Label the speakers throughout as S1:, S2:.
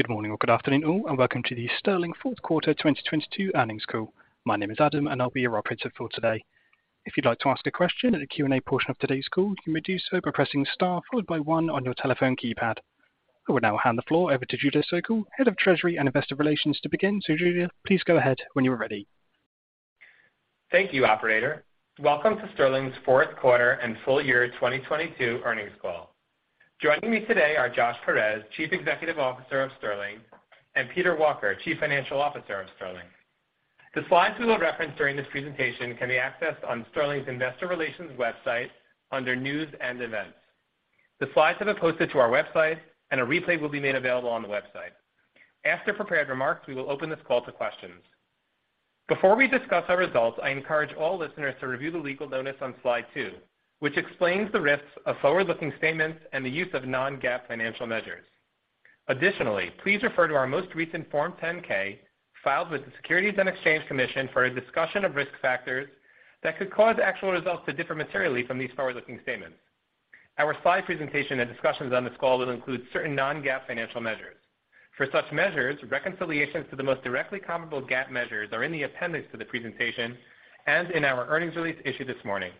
S1: Good morning or good afternoon all, welcome to the Sterling Fourth Quarter 2022 Earnings Call. My name is Adam, I'll be your operator for today. If you'd like to ask a question in the Q&A portion of today's call, you may do so by pressing star followed by one on your telephone keypad. I will now hand the floor over to Judah Sokel, Head of Treasury and Investor Relations, to begin. Judah, please go ahead when you are ready.
S2: Thank you, operator. Welcome to Sterling's fourth quarter and full year 2022 earnings call. Joining me today are Josh Peirez, Chief Executive Officer of Sterling, and Peter Walker, Chief Financial Officer of Sterling. The slides we will reference during this presentation can be accessed on Sterling's Investor Relations website under News and Events. The slides have been posted to our website and a replay will be made available on the website. After prepared remarks, we will open this call to questions. Before we discuss our results, I encourage all listeners to review the legal notice on slide two, which explains the risks of forward-looking statements and the use of non-GAAP financial measures. Additionally, please refer to our most recent Form 10-K filed with the Securities and Exchange Commission for a discussion of risk factors that could cause actual results to differ materially from these forward-looking statements. Our slide presentation and discussions on this call will include certain non-GAAP financial measures. For such measures, reconciliations to the most directly comparable GAAP measures are in the appendix to the presentation and in our earnings release issued this morning.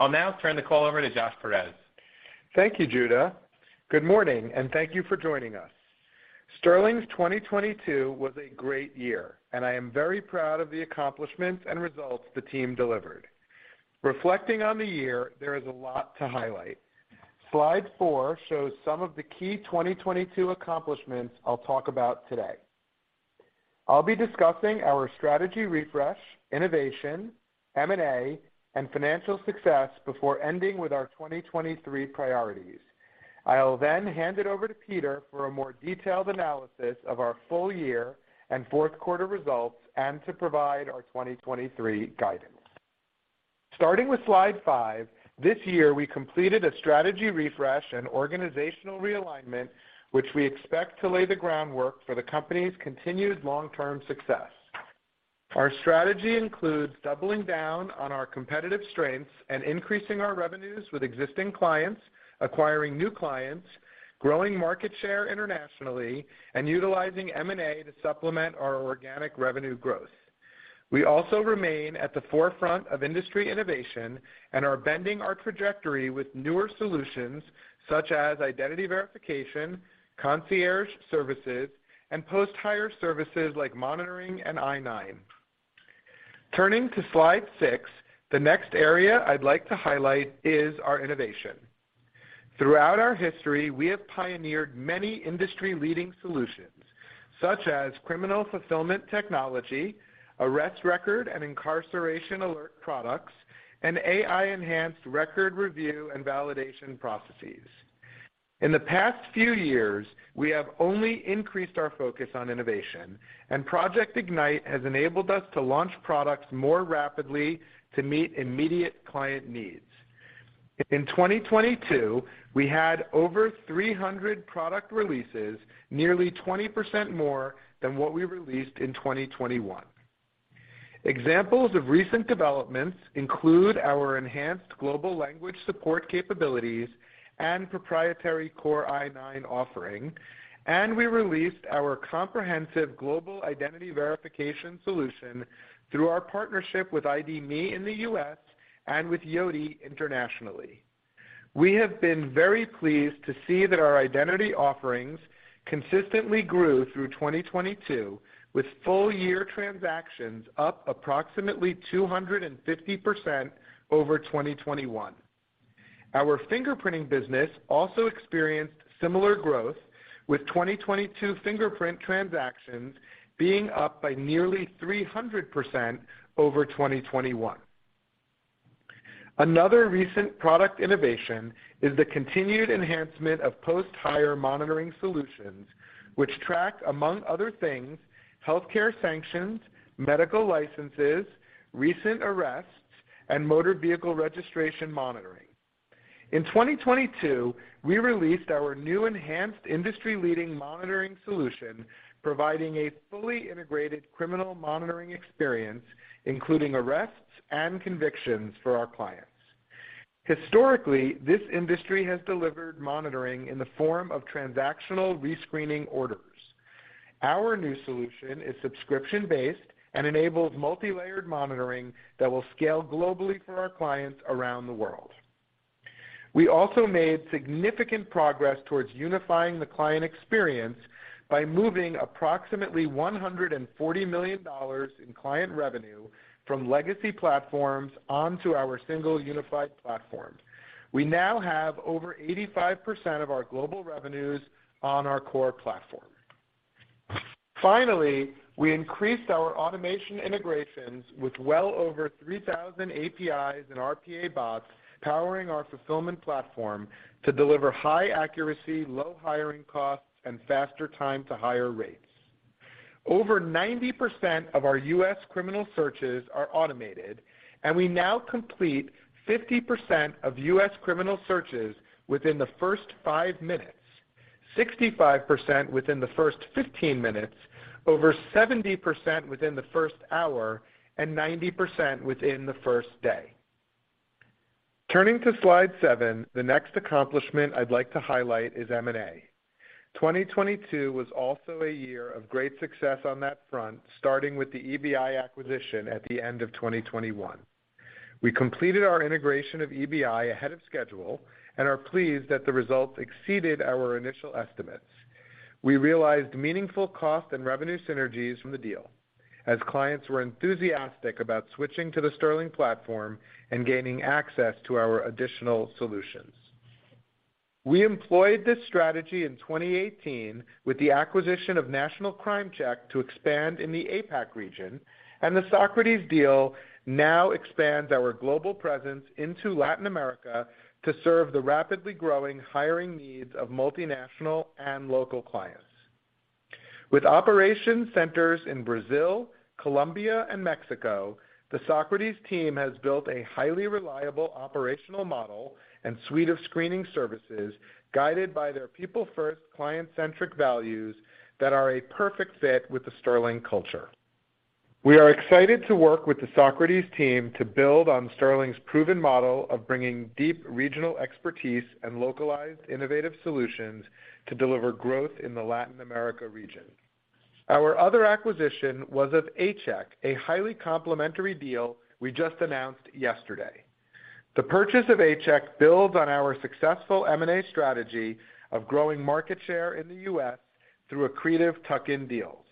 S2: I'll now turn the call over to Josh Peirez.
S3: Thank you, Judah. Good morning, and thank you for joining us. Sterling's 2022 was a great year, and I am very proud of the accomplishments and results the team delivered. Reflecting on the year, there is a lot to highlight. Slide four shows some of the key 2022 accomplishments I'll talk about today. I'll be discussing our strategy refresh, innovation, M&A, and financial success before ending with our 2023 priorities. I'll then hand it over to Peter for a more detailed analysis of our full year and fourth quarter results and to provide our 2023 guidance. Starting with slide five, this year we completed a strategy refresh and organizational realignment, which we expect to lay the groundwork for the company's continued long-term success. Our strategy includes doubling down on our competitive strengths and increasing our revenues with existing clients, acquiring new clients, growing market share internationally, and utilizing M&A to supplement our organic revenue growth. We also remain at the forefront of industry innovation and are bending our trajectory with newer solutions such as identity verification, concierge services, and post-hire services like monitoring and I-9. Turning to slide six, the next area I'd like to highlight is our innovation. Throughout our history, we have pioneered many industry-leading solutions, such as criminal fulfillment technology, arrest record, and incarceration alert products, and AI-enhanced record review and validation processes. In the past few years, we have only increased our focus on innovation, and Project Ignite has enabled us to launch products more rapidly to meet immediate client needs. In 2022, we had over 300 product releases, nearly 20% more than what we released in 2021. Examples of recent developments include our enhanced global language support capabilities and proprietary core I-9 offering. We released our comprehensive global identity verification solution through our partnership with ID.me in the U.S. and with Yoti internationally. We have been very pleased to see that our identity offerings consistently grew through 2022, with full year transactions up approximately 250% over 2021. Our fingerprinting business also experienced similar growth, with 2022 fingerprint transactions being up by nearly 300% over 2021. Another recent product innovation is the continued enhancement of post-hire monitoring solutions, which track, among other things, healthcare sanctions, medical licenses, recent arrests, and motor vehicle registration monitoring. In 2022, we released our new enhanced industry-leading monitoring solution, providing a fully integrated criminal monitoring experience, including arrests and convictions for our clients. Historically, this industry has delivered monitoring in the form of transactional rescreening orders. Our new solution is subscription-based and enables multi-layered monitoring that will scale globally for our clients around the world. We also made significant progress towards unifying the client experience by moving approximately $140 million in client revenue from legacy platforms onto our single unified platform. We now have over 85% of our global revenues on our core platform. Finally, we increased our automation integrations with well over 3,000 APIs and RPA bots powering our fulfillment platform to deliver high accuracy, low hiring costs, and faster time to hire rates. Over 90% of our U.S. criminal searches are automated, and we now complete 50% of U.S. criminal searches within the first five minutes, 65% within the first 15 minutes, over 70% within the first hour, and 90% within the first day. Turning to slide seven, the next accomplishment I'd like to highlight is M&A. 2022 was also a year of great success on that front, starting with the EBI acquisition at the end of 2021. We completed our integration of EBI ahead of schedule and are pleased that the results exceeded our initial estimates. We realized meaningful cost and revenue synergies from the deal as clients were enthusiastic about switching to the Sterling platform and gaining access to our additional solutions. We employed this strategy in 2018 with the acquisition of National Crime Check to expand in the APAC region, and the Socrates deal now expands our global presence into Latin America to serve the rapidly growing hiring needs of multinational and local clients. With operation centers in Brazil, Colombia, and Mexico, the Socrates team has built a highly reliable operational model and suite of screening services guided by their people first, client-centric values that are a perfect fit with the Sterling culture. We are excited to work with the Socrates team to build on Sterling's proven model of bringing deep regional expertise and localized innovative solutions to deliver growth in the Latin America region. Our other acquisition was of A-Check, a highly complementary deal we just announced yesterday. The purchase of A-Check builds on our successful M&A strategy of growing market share in the U.S. through accretive tuck-in deals.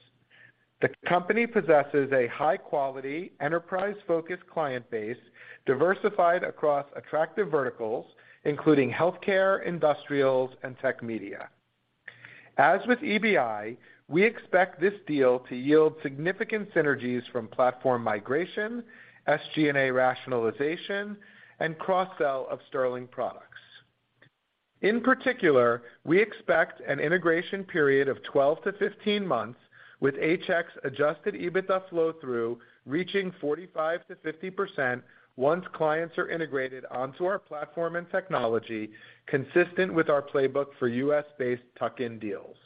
S3: The company possesses a high-quality, enterprise-focused client base diversified across attractive verticals, including healthcare, industrials, and tech media. As with EBI, we expect this deal to yield significant synergies from platform migration, SG&A rationalization, and cross-sell of Sterling products. In particular, we expect an integration period of 12 to 15 months with A-Check's Adjusted EBITDA flow through reaching 45%-50% once clients are integrated onto our platform and technology consistent with our playbook for U.S.-based tuck-in deals.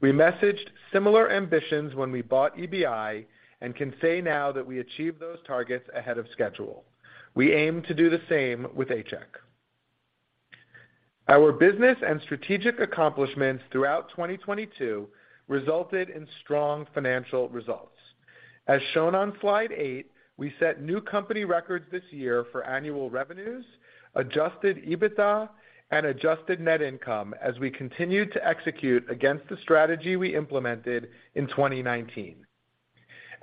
S3: We messaged similar ambitions when we bought EBI and can say now that we achieved those targets ahead of schedule. We aim to do the same with A-Check. Our business and strategic accomplishments throughout 2022 resulted in strong financial results. As shown on slide eight, we set new company records this year for annual revenues, Adjusted EBITDA, and adjusted net income as we continued to execute against the strategy we implemented in 2019.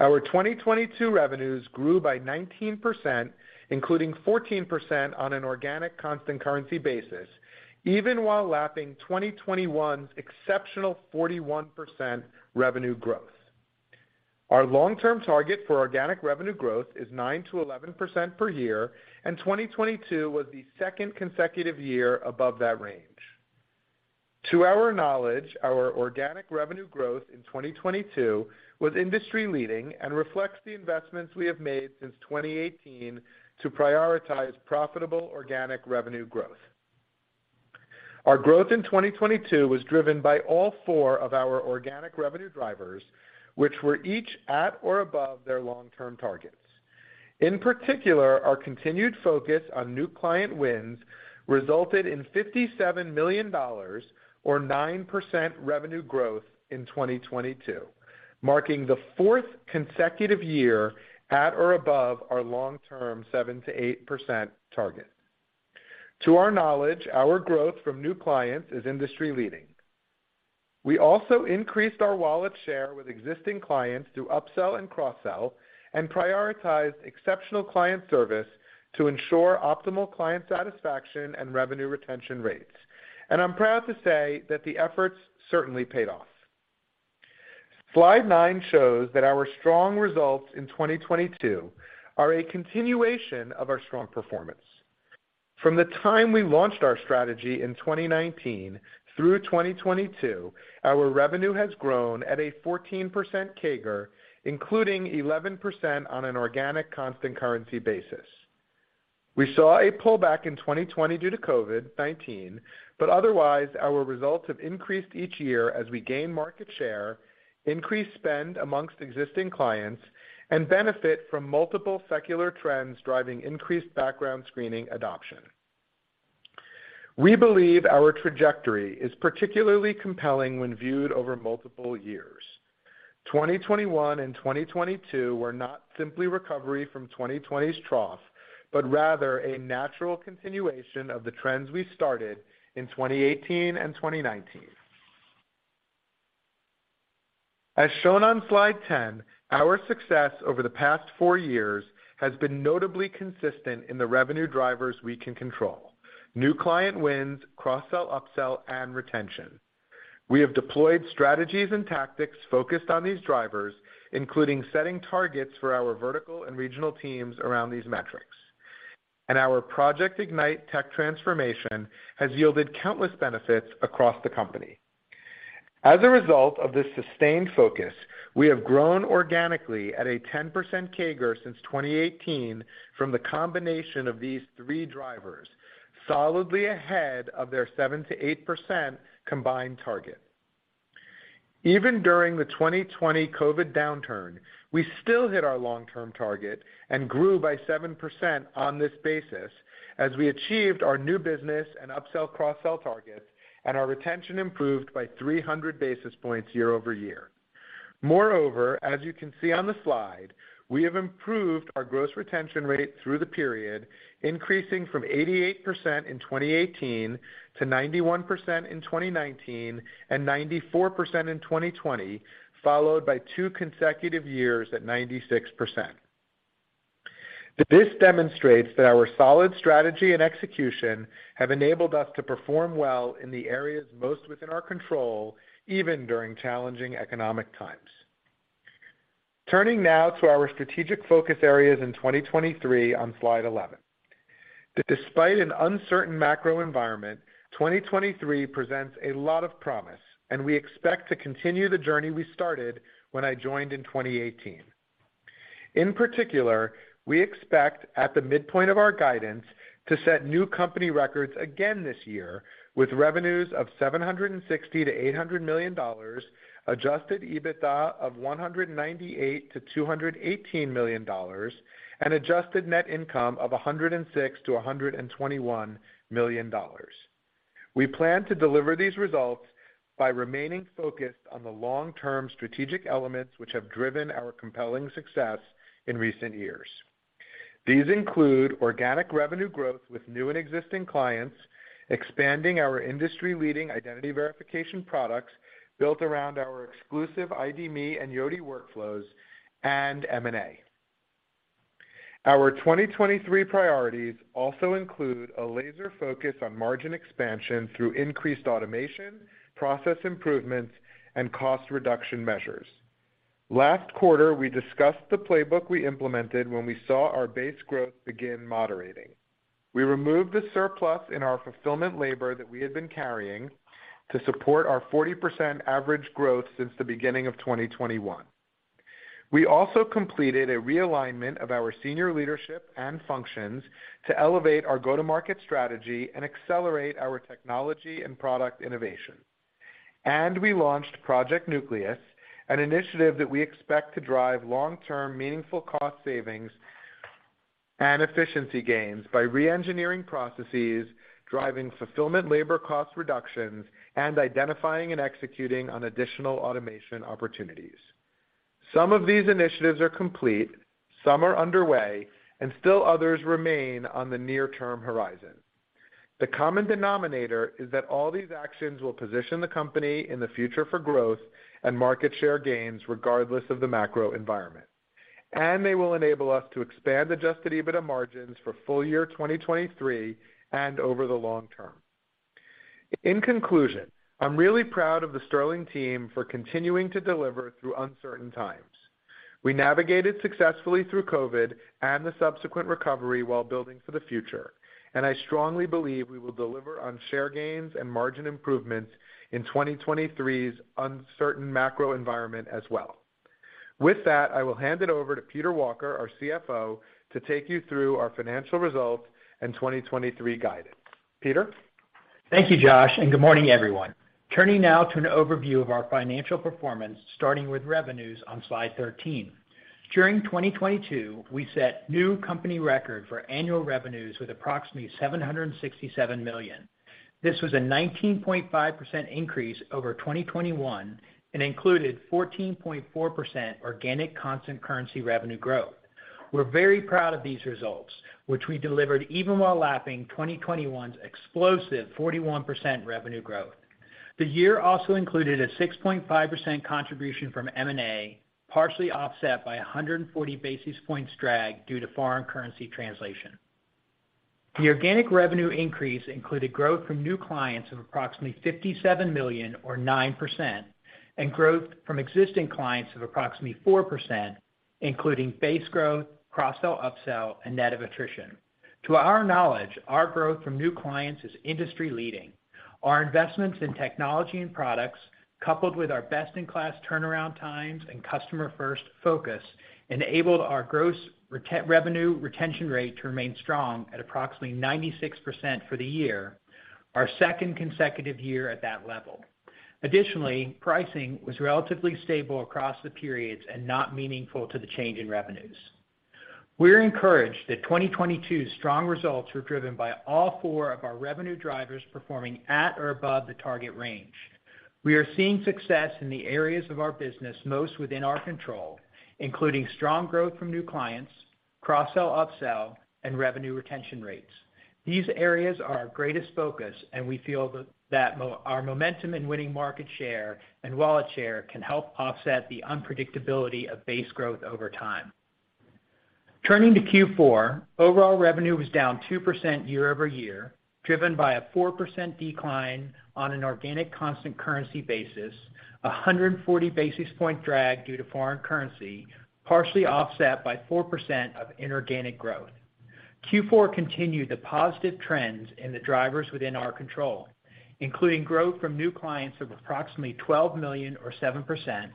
S3: Our 2022 revenues grew by 19%, including 14% on an organic constant currency basis, even while lapping 2021's exceptional 41% revenue growth. Our long-term target for organic revenue growth is 9%-11% per year, and 2022 was the second consecutive year above that range. To our knowledge, our organic revenue growth in 2022 was industry-leading and reflects the investments we have made since 2018 to prioritize profitable organic revenue growth. Our growth in 2022 was driven by all four of our organic revenue drivers, which were each at or above their long-term targets. In particular, our continued focus on new client wins resulted in $57 million or 9% revenue growth in 2022, marking the fourth consecutive year at or above our long-term 7%-8% target. To our knowledge, our growth from new clients is industry-leading. We also increased our wallet share with existing clients through upsell and cross-sell, and prioritized exceptional client service to ensure optimal client satisfaction and revenue retention rates. I'm proud to say that the efforts certainly paid off. Slide nine shows that our strong results in 2022 are a continuation of our strong performance. From the time we launched our strategy in 2019 through 2022, our revenue has grown at a 14% CAGR, including 11% on an organic constant currency basis. We saw a pullback in 2020 due to COVID-19, but otherwise our results have increased each year as we gain market share, increase spend amongst existing clients, and benefit from multiple secular trends driving increased background screening adoption. We believe our trajectory is particularly compelling when viewed over multiple years. 2021 and 2022 were not simply recovery from 2020's trough, but rather a natural continuation of the trends we started in 2018 and 2019. As shown on slide 10, our success over the past four years has been notably consistent in the revenue drivers we can control: new client wins, cross-sell, upsell, and retention. We have deployed strategies and tactics focused on these drivers, including setting targets for our vertical and regional teams around these metrics. Our Project Ignite tech transformation has yielded countless benefits across the company. As a result of this sustained focus, we have grown organically at a 10% CAGR since 2018 from the combination of these three drivers, solidly ahead of their 7%-8% combined target. Even during the 2020 COVID downturn, we still hit our long-term target and grew by 7% on this basis as we achieved our new business and upsell/cross-sell targets, and our retention improved by 300 basis points year-over-year. As you can see on the slide, we have improved our gross retention rate through the period, increasing from 88% in 2018 to 91% in 2019 and 94% in 2020, followed by two consecutive years at 96%. This demonstrates that our solid strategy and execution have enabled us to perform well in the areas most within our control, even during challenging economic times. Turning now to our strategic focus areas in 2023 on slide 11. Despite an uncertain macro environment, 2023 presents a lot of promise, and we expect to continue the journey we started when I joined in 2018. In particular, we expect, at the midpoint of our guidance, to set new company records again this year, with revenues of $760 million-$800 million, Adjusted EBITDA of $198 million-$218 million, and adjusted net income of $106 million-$121 million. We plan to deliver these results by remaining focused on the long-term strategic elements which have driven our compelling success in recent years. These include organic revenue growth with new and existing clients, expanding our industry-leading identity verification products built around our exclusive ID.me and Yoti workflows, and M&A. Our 2023 priorities also include a laser focus on margin expansion through increased automation, process improvements, and cost reduction measures. Last quarter, we discussed the playbook we implemented when we saw our base growth begin moderating. We removed the surplus in our fulfillment labor that we had been carrying to support our 40% average growth since the beginning of 2021. We also completed a realignment of our senior leadership and functions to elevate our go-to-market strategy and accelerate our technology and product innovation. We launched Project Nucleus, an initiative that we expect to drive long-term meaningful cost savings and efficiency gains by re-engineering processes, driving fulfillment labor cost reductions, and identifying and executing on additional automation opportunities. Some of these initiatives are complete, some are underway, and still others remain on the near-term horizon. The common denominator is that all these actions will position the company in the future for growth and market share gains regardless of the macro environment. They will enable us to expand Adjusted EBITDA margins for full year 2023 and over the long term. In conclusion, I'm really proud of the Sterling team for continuing to deliver through uncertain times. We navigated successfully through COVID and the subsequent recovery while building for the future, and I strongly believe we will deliver on share gains and margin improvements in 2023's uncertain macro environment as well. With that, I will hand it over to Peter Walker, our CFO, to take you through our financial results and 2023 guidance. Peter?
S4: Thank you, Josh. Good morning, everyone. Turning now to an overview of our financial performance, starting with revenues on slide 13. During 2022, we set new company record for annual revenues with approximately $767 million. This was a 19.5% increase over 2021 and included 14.4% organic constant currency revenue growth. We're very proud of these results, which we delivered even while lapping 2021's explosive 41% revenue growth. The year also included a 6.5% contribution from M&A, partially offset by a 140 basis points drag due to foreign currency translation. The organic revenue increase included growth from new clients of approximately $57 million or 9%, and growth from existing clients of approximately 4%, including base growth, cross-sell, upsell, and net of attrition. To our knowledge, our growth from new clients is industry-leading. Our investments in technology and products, coupled with our best-in-class turnaround times and customer-first focus, enabled our gross revenue retention rate to remain strong at approximately 96% for the year, our second consecutive year at that level. Pricing was relatively stable across the periods and not meaningful to the change in revenues. We're encouraged that 2022's strong results were driven by all four of our revenue drivers performing at or above the target range. We are seeing success in the areas of our business most within our control, including strong growth from new clients, cross-sell, upsell, and revenue retention rates. These areas are our greatest focus, and we feel that our momentum in winning market share and wallet share can help offset the unpredictability of base growth over time. Turning to Q4, overall revenue was down 2% year-over-year, driven by a 4% decline on an organic constant currency basis, 140 basis point drag due to foreign currency, partially offset by 4% of inorganic growth. Q4 continued the positive trends in the drivers within our control, including growth from new clients of approximately $12 million or 7%,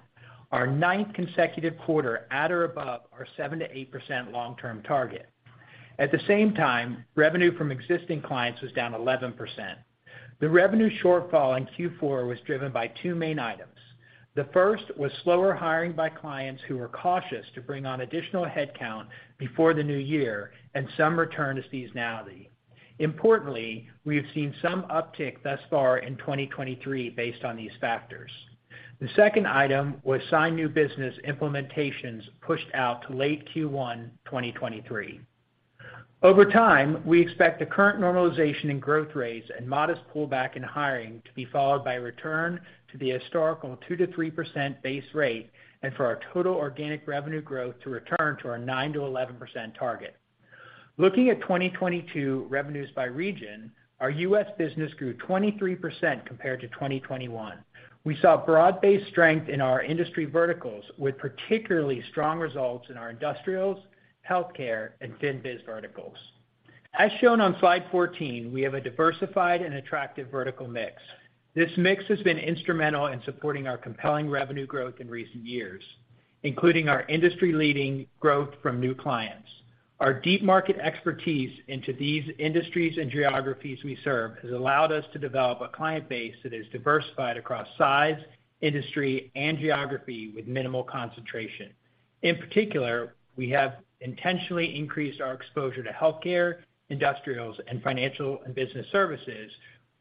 S4: our ninth consecutive quarter at or above our 7%-8% long-term target. At the same time, revenue from existing clients was down 11%. The revenue shortfall in Q4 was driven by two main items. The first was slower hiring by clients who were cautious to bring on additional headcount before the new year and some return to seasonality. Importantly, we have seen some uptick thus far in 2023 based on these factors. The second item was signed new business implementations pushed out to late Q1 2023. Over time, we expect the current normalization in growth rates and modest pullback in hiring to be followed by return to the historical 2%-3% base rate and for our total organic revenue growth to return to our 9%-11% target. Looking at 2022 revenues by region, our U.S. business grew 23% compared to 2021. We saw broad-based strength in our industry verticals, with particularly strong results in our industrials, healthcare, and FinBiz verticals. As shown on slide 14, we have a diversified and attractive vertical mix. This mix has been instrumental in supporting our compelling revenue growth in recent years, including our industry-leading growth from new clients. Our deep market expertise into these industries and geographies we serve has allowed us to develop a client base that is diversified across size, industry, and geography with minimal concentration. In particular, we have intentionally increased our exposure to healthcare, industrials, and financial and business services,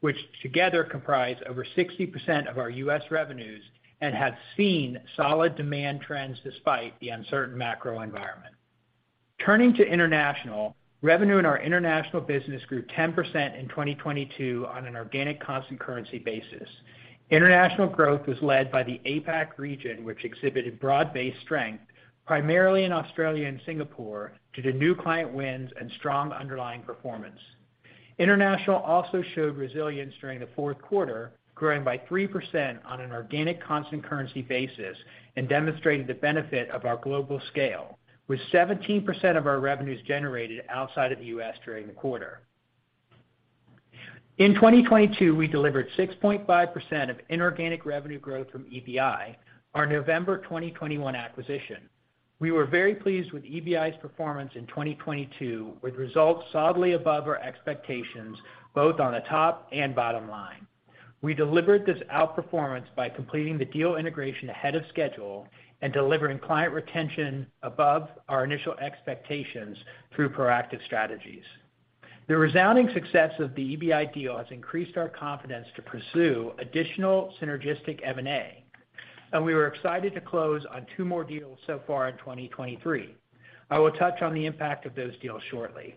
S4: which together comprise over 60% of our U.S. revenues and have seen solid demand trends despite the uncertain macro environment. Turning to international, revenue in our international business grew 10% in 2022 on an organic constant currency basis. International growth was led by the APAC region, which exhibited broad-based strength, primarily in Australia and Singapore, due to new client wins and strong underlying performance. International also showed resilience during the fourth quarter, growing by 3% on an organic constant currency basis and demonstrating the benefit of our global scale, with 17% of our revenues generated outside of the U.S. during the quarter. In 2022, we delivered 6.5% of inorganic revenue growth from EBI, our November 2021 acquisition. We were very pleased with EBI's performance in 2022, with results solidly above our expectations, both on the top and bottom line. We delivered this outperformance by completing the deal integration ahead of schedule and delivering client retention above our initial expectations through proactive strategies. The resounding success of the EBI deal has increased our confidence to pursue additional synergistic M&A, and we were excited to close on two more deals so far in 2023. I will touch on the impact of those deals shortly.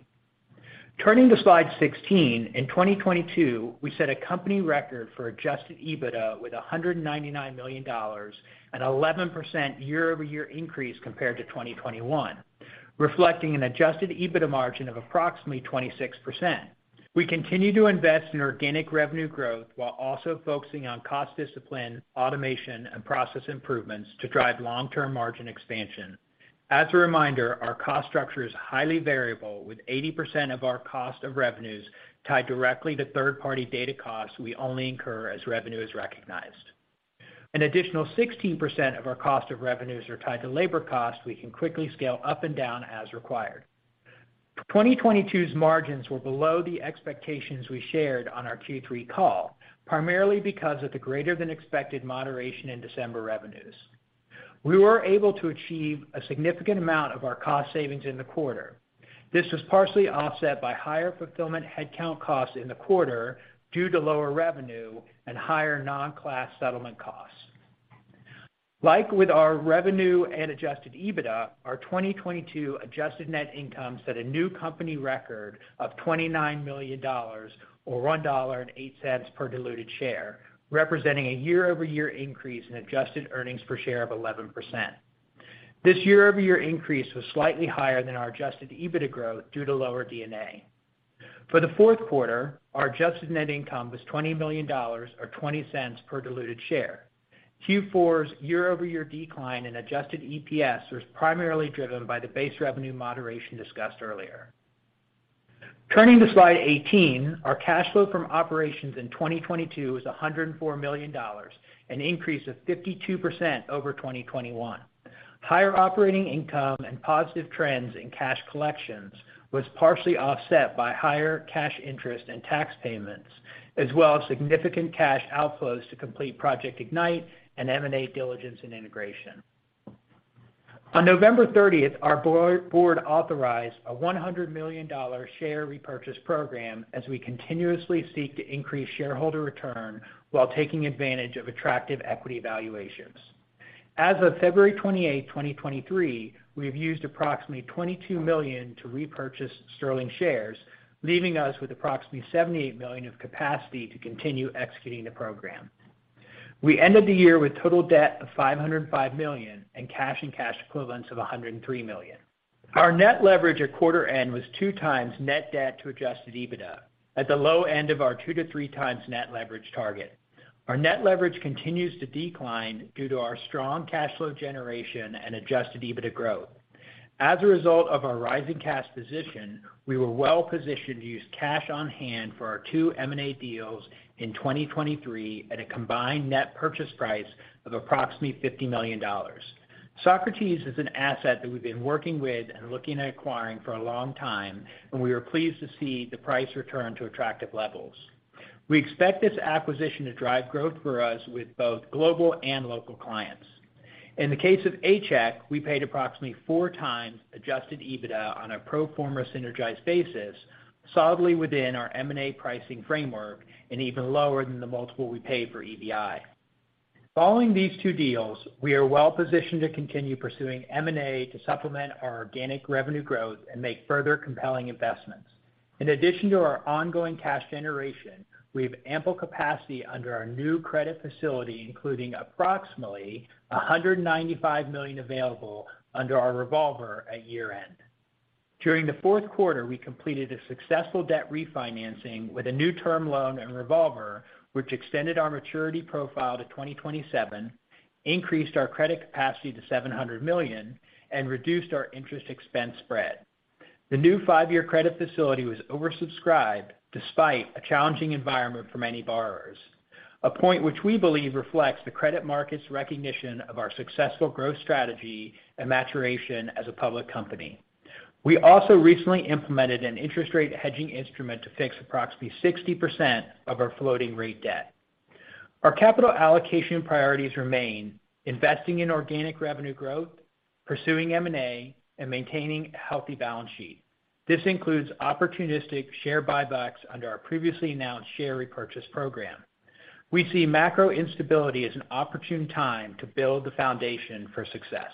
S4: Turning to slide 16, in 2022, we set a company record for Adjusted EBITDA with $199 million, an 11% year-over-year increase compared to 2021, reflecting an Adjusted EBITDA margin of approximately 26%. We continue to invest in organic revenue growth while also focusing on cost discipline, automation, and process improvements to drive long-term margin expansion. As a reminder, our cost structure is highly variable, with 80% of our cost of revenues tied directly to third-party data costs we only incur as revenue is recognized. An additional 16% of our cost of revenues are tied to labor costs we can quickly scale up and down as required. 2022's margins were below the expectations we shared on our Q3 call, primarily because of the greater-than-expected moderation in December revenues. We were able to achieve a significant amount of our cost savings in the quarter. This was partially offset by higher fulfillment headcount costs in the quarter due to lower revenue and higher non-class settlement costs. With our revenue and Adjusted EBITDA, our 2022 adjusted net income set a new company record of $29 million or $1.08 per diluted share, representing a year-over-year increase in adjusted earnings per share of 11%. This year-over-year increase was slightly higher than our Adjusted EBITDA growth due to lower D&A. For the fourth quarter, our adjusted net income was $20 million or $0.20 per diluted share. Q4's year-over-year decline in adjusted EPS was primarily driven by the base revenue moderation discussed earlier. Turning to slide 18, our cash flow from operations in 2022 was $104 million, an increase of 52% over 2021. Higher operating income and positive trends in cash collections was partially offset by higher cash interest and tax payments, as well as significant cash outflows to complete Project Ignite and M&A diligence and integration. On November 30th, our board authorized a $100 million share repurchase program as we continuously seek to increase shareholder return while taking advantage of attractive equity valuations. As of February 28, 2023, we have used approximately $22 million to repurchase Sterling shares, leaving us with approximately $78 million of capacity to continue executing the program. We ended the year with total debt of $505 million and cash and cash equivalents of $103 million. Our net leverage at quarter end was two times net debt to Adjusted EBITDA, at the low end of our two-three times net leverage target. Our net leverage continues to decline due to our strong cash flow generation and Adjusted EBITDA growth. As a result of our rising cash position, we were well-positioned to use cash on hand for our two M&A deals in 2023 at a combined net purchase price of approximately $50 million. Socrates is an asset that we've been working with and looking at acquiring for a long time, we were pleased to see the price return to attractive levels. We expect this acquisition to drive growth for us with both global and local clients. In the case of A-Check, we paid approximately four times Adjusted EBITDA on a pro forma synergized basis, solidly within our M&A pricing framework and even lower than the multiple we paid for EBI. Following these two deals, we are well-positioned to continue pursuing M&A to supplement our organic revenue growth and make further compelling investments. In addition to our ongoing cash generation, we have ample capacity under our new credit facility, including approximately $195 million available under our revolver at year-end. During the fourth quarter, we completed a successful debt refinancing with a new term loan and revolver, which extended our maturity profile to 2027, increased our credit capacity to $700 million, and reduced our interest expense spread. The new five-year credit facility was oversubscribed despite a challenging environment for many borrowers, a point which we believe reflects the credit market's recognition of our successful growth strategy and maturation as a public company. We also recently implemented an interest rate hedging instrument to fix approximately 60% of our floating rate debt. Our capital allocation priorities remain investing in organic revenue growth, pursuing M&A, and maintaining a healthy balance sheet. This includes opportunistic share buybacks under our previously announced share repurchase program. We see macro instability as an opportune time to build the foundation for success.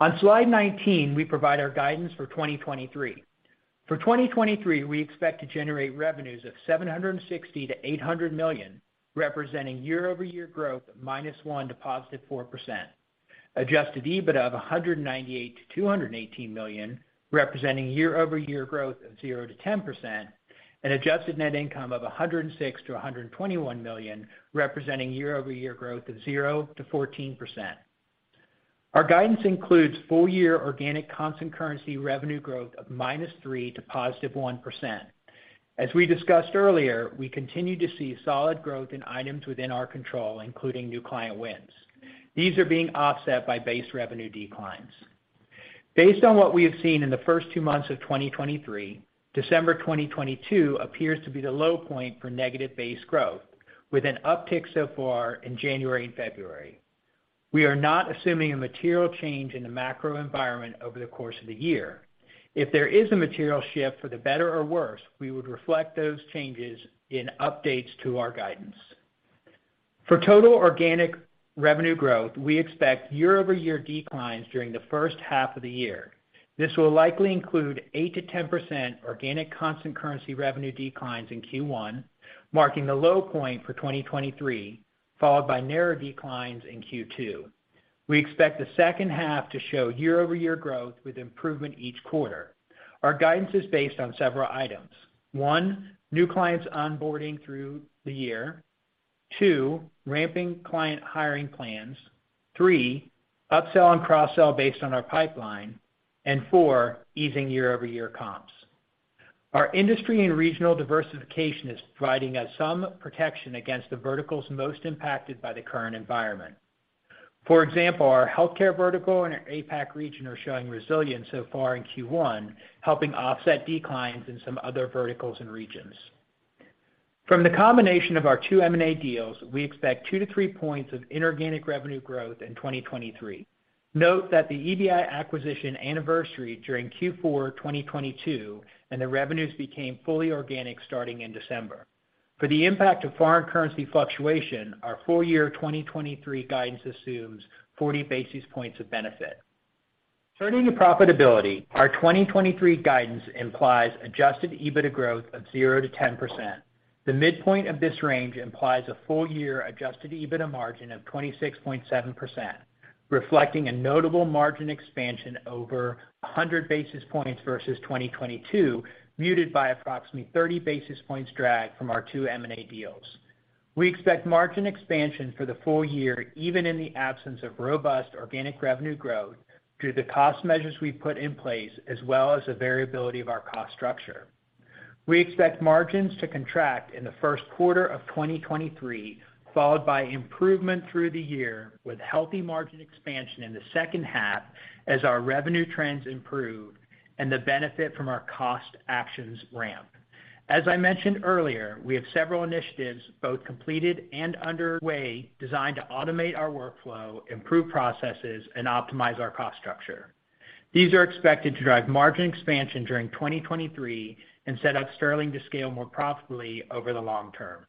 S4: On slide 19, we provide our guidance for 2023. For 2023, we expect to generate revenues of $760 million-$800 million, representing year-over-year growth of -1% to +4%. Adjusted EBITDA of $198 million-$218 million, representing year-over-year growth of 0%-10%. Adjusted net income of $106 million-$121 million, representing year-over-year growth of 0%-14%. Our guidance includes full-year organic constant currency revenue growth of -3% to +1%. As we discussed earlier, we continue to see solid growth in items within our control, including new client wins. These are being offset by base revenue declines. Based on what we have seen in the first two months of 2023, December 2022 appears to be the low point for negative base growth, with an uptick so far in January and February. We are not assuming a material change in the macro environment over the course of the year. If there is a material shift for the better or worse, we would reflect those changes in updates to our guidance. For total organic revenue growth, we expect year-over-year declines during the first half of the year. This will likely include 8%-10% organic constant currency revenue declines in Q1, marking the low point for 2023, followed by narrower declines in Q2. We expect the second half to show year-over-year growth with improvement each quarter. Our guidance is based on several items. One, new clients onboarding through the year. Two, ramping client hiring plans. Three, upsell and cross-sell based on our pipeline. Four, easing year-over-year comps. Our industry and regional diversification is providing us some protection against the verticals most impacted by the current environment. For example, our healthcare vertical and our APAC region are showing resilience so far in Q1, helping offset declines in some other verticals and regions. From the combination of our two M&A deals, we expect two-three points of inorganic revenue growth in 2023. Note that the EBI acquisition anniversary during Q4 2022 and the revenues became fully organic starting in December. For the impact of foreign currency fluctuation, our full-year 2023 guidance assumes 40 basis points of benefit. Turning to profitability, our 2023 guidance implies Adjusted EBITDA growth of 0%-10%. The midpoint of this range implies a full-year Adjusted EBITDA margin of 26.7%, reflecting a notable margin expansion over 100 basis points versus 2022, muted by approximately 30 basis points drag from our two M&A deals. We expect margin expansion for the full year, even in the absence of robust organic revenue growth, through the cost measures we've put in place, as well as the variability of our cost structure. We expect margins to contract in the first quarter of 2023, followed by improvement through the year, with healthy margin expansion in the second half as our revenue trends improve and the benefit from our cost actions ramp. I mentioned earlier, we have several initiatives, both completed and underway, designed to automate our workflow, improve processes, and optimize our cost structure. These are expected to drive margin expansion during 2023 and set up Sterling to scale more profitably over the long term.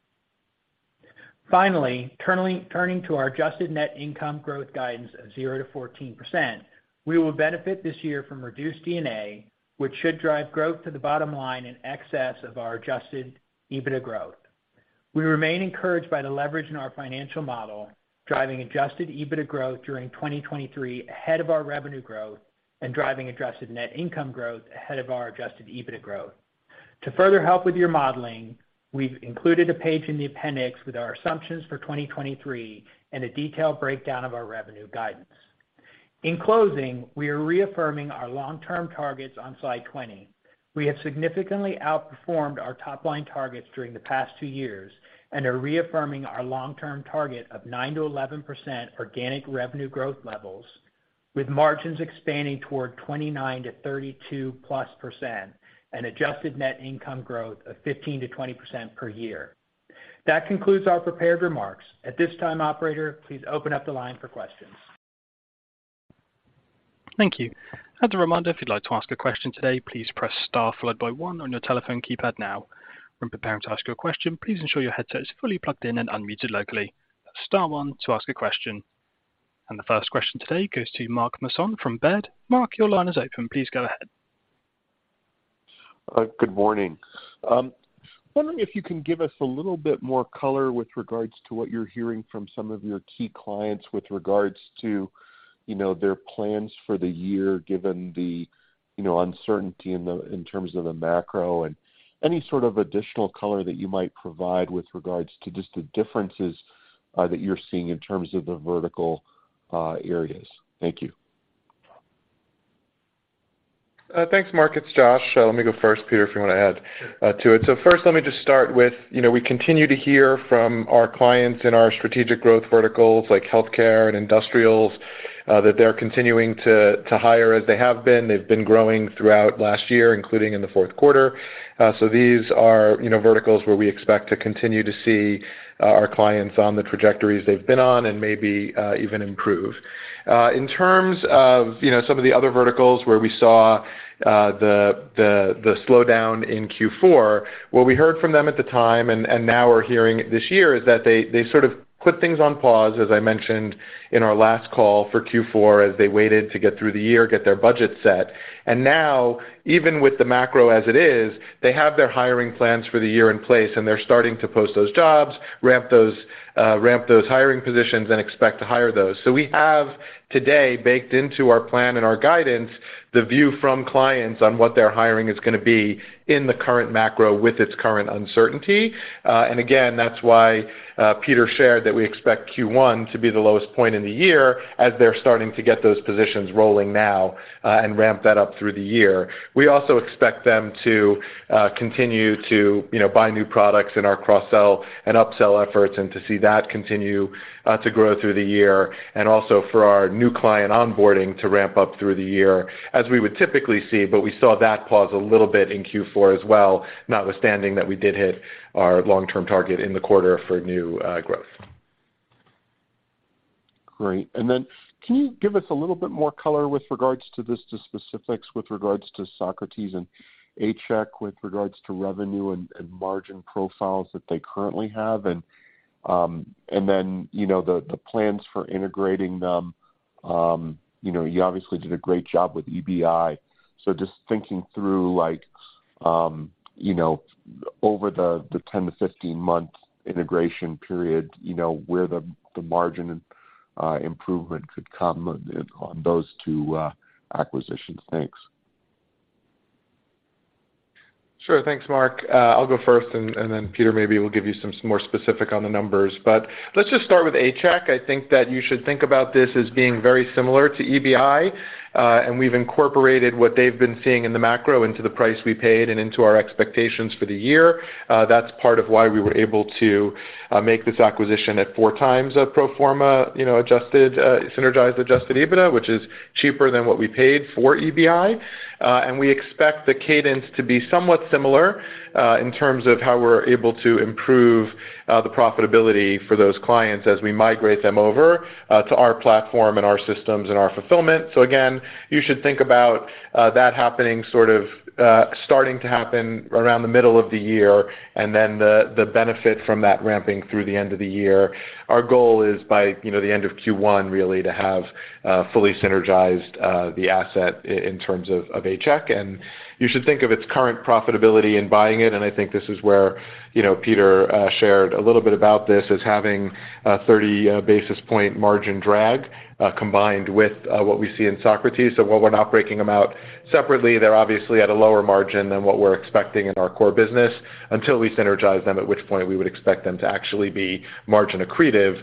S4: Finally, turning to our adjusted net income growth guidance of 0%-14%, we will benefit this year from reduced D&A, which should drive growth to the bottom line in excess of our Adjusted EBITDA growth. We remain encouraged by the leverage in our financial model, driving Adjusted EBITDA growth during 2023 ahead of our revenue growth and driving adjusted net income growth ahead of our Adjusted EBITDA growth. To further help with your modeling, we've included a page in the appendix with our assumptions for 2023 and a detailed breakdown of our revenue guidance. We are reaffirming our long-term targets on slide 20. We have significantly outperformed our top-line targets during the past two years and are reaffirming our long-term target of 9%-11% organic revenue growth levels. With margins expanding toward 29%-32+% and adjusted net income growth of 15%-20% per year. That concludes our prepared remarks. At this time, operator, please open up the line for questions.
S1: Thank you. As a reminder, if you'd like to ask a question today, please press star followed by one on your telephone keypad now. When preparing to ask your question, please ensure your headset is fully plugged in and unmuted locally. Star one to ask a question. The first question today goes to Mark Marcon from Baird. Mark, your line is open. Please go ahead.
S5: Good morning. Wondering if you can give us a little bit more color with regards to what you're hearing from some of your key clients with regards to, you know, their plans for the year, given the, you know, uncertainty in the, in terms of the macro, and any sort of additional color that you might provide with regards to just the differences that you're seeing in terms of the vertical areas? Thank you.
S3: Thanks, Mark. It's Josh. Let me go first, Peter, if you wanna add to it. First let me just start with, you know, we continue to hear from our clients in our strategic growth verticals like healthcare and industrials, that they're continuing to hire as they have been. They've been growing throughout last year, including in the fourth quarter. These are, you know, verticals where we expect to continue to see our clients on the trajectories they've been on and maybe even improve. In terms of, you know, some of the other verticals where we saw the slowdown in Q4, what we heard from them at the time, and now we're hearing this year, is that they sort of put things on pause, as I mentioned in our last call for Q4, as they waited to get through the year, get their budget set. Now, even with the macro as it is, they have their hiring plans for the year in place, and they're starting to post those jobs, ramp those hiring positions and expect to hire those. We have today baked into our plan and our guidance, the view from clients on what their hiring is gonna be in the current macro with its current uncertainty. Again, that's why Peter shared that we expect Q1 to be the lowest point in the year as they're starting to get those positions rolling now, and ramp that up through the year. We also expect them to continue to, you know, buy new products in our cross-sell and up-sell efforts and to see that continue to grow through the year. Also for our new client onboarding to ramp up through the year as we would typically see, but we saw that pause a little bit in Q4 as well, notwithstanding that we did hit our long-term target in the quarter for new growth.
S5: Great. Can you give us a little bit more color with regards to just the specifics with regards to Socrates and A-Check with regards to revenue and margin profiles that they currently have? You know, the plans for integrating them. You know, you obviously did a great job with EBI. Just thinking through like, you know, over the 10-15-month integration period, you know, where the margin improvement could come on those two acquisitions. Thanks.
S3: Sure. Thanks, Mark. I'll go first and then Peter maybe will give you some more specific on the numbers. Let's just start with A-Check. I think that you should think about this as being very similar to EBI, and we've incorporated what they've been seeing in the macro into the price we paid and into our expectations for the year. That's part of why we were able to make this acquisition at four times of pro forma, you know, adjusted, synergized Adjusted EBITDA, which is cheaper than what we paid for EBI. We expect the cadence to be somewhat similar, in terms of how we're able to improve, the profitability for those clients as we migrate them over, to our platform and our systems and our fulfillment. Again, you should think about that happening sort of starting to happen around the middle of the year and then the benefit from that ramping through the end of the year. Our goal is by, you know, the end of Q1 really to have fully synergized the asset in terms of A-Check. You should think of its current profitability in buying it, and I think this is where, you know, Peter shared a little bit about this, as having a 30 basis point margin drag combined with what we see in Socrates. While we're not breaking them out separately, they're obviously at a lower margin than what we're expecting in our core business until we synergize them, at which point we would expect them to actually be margin accretive,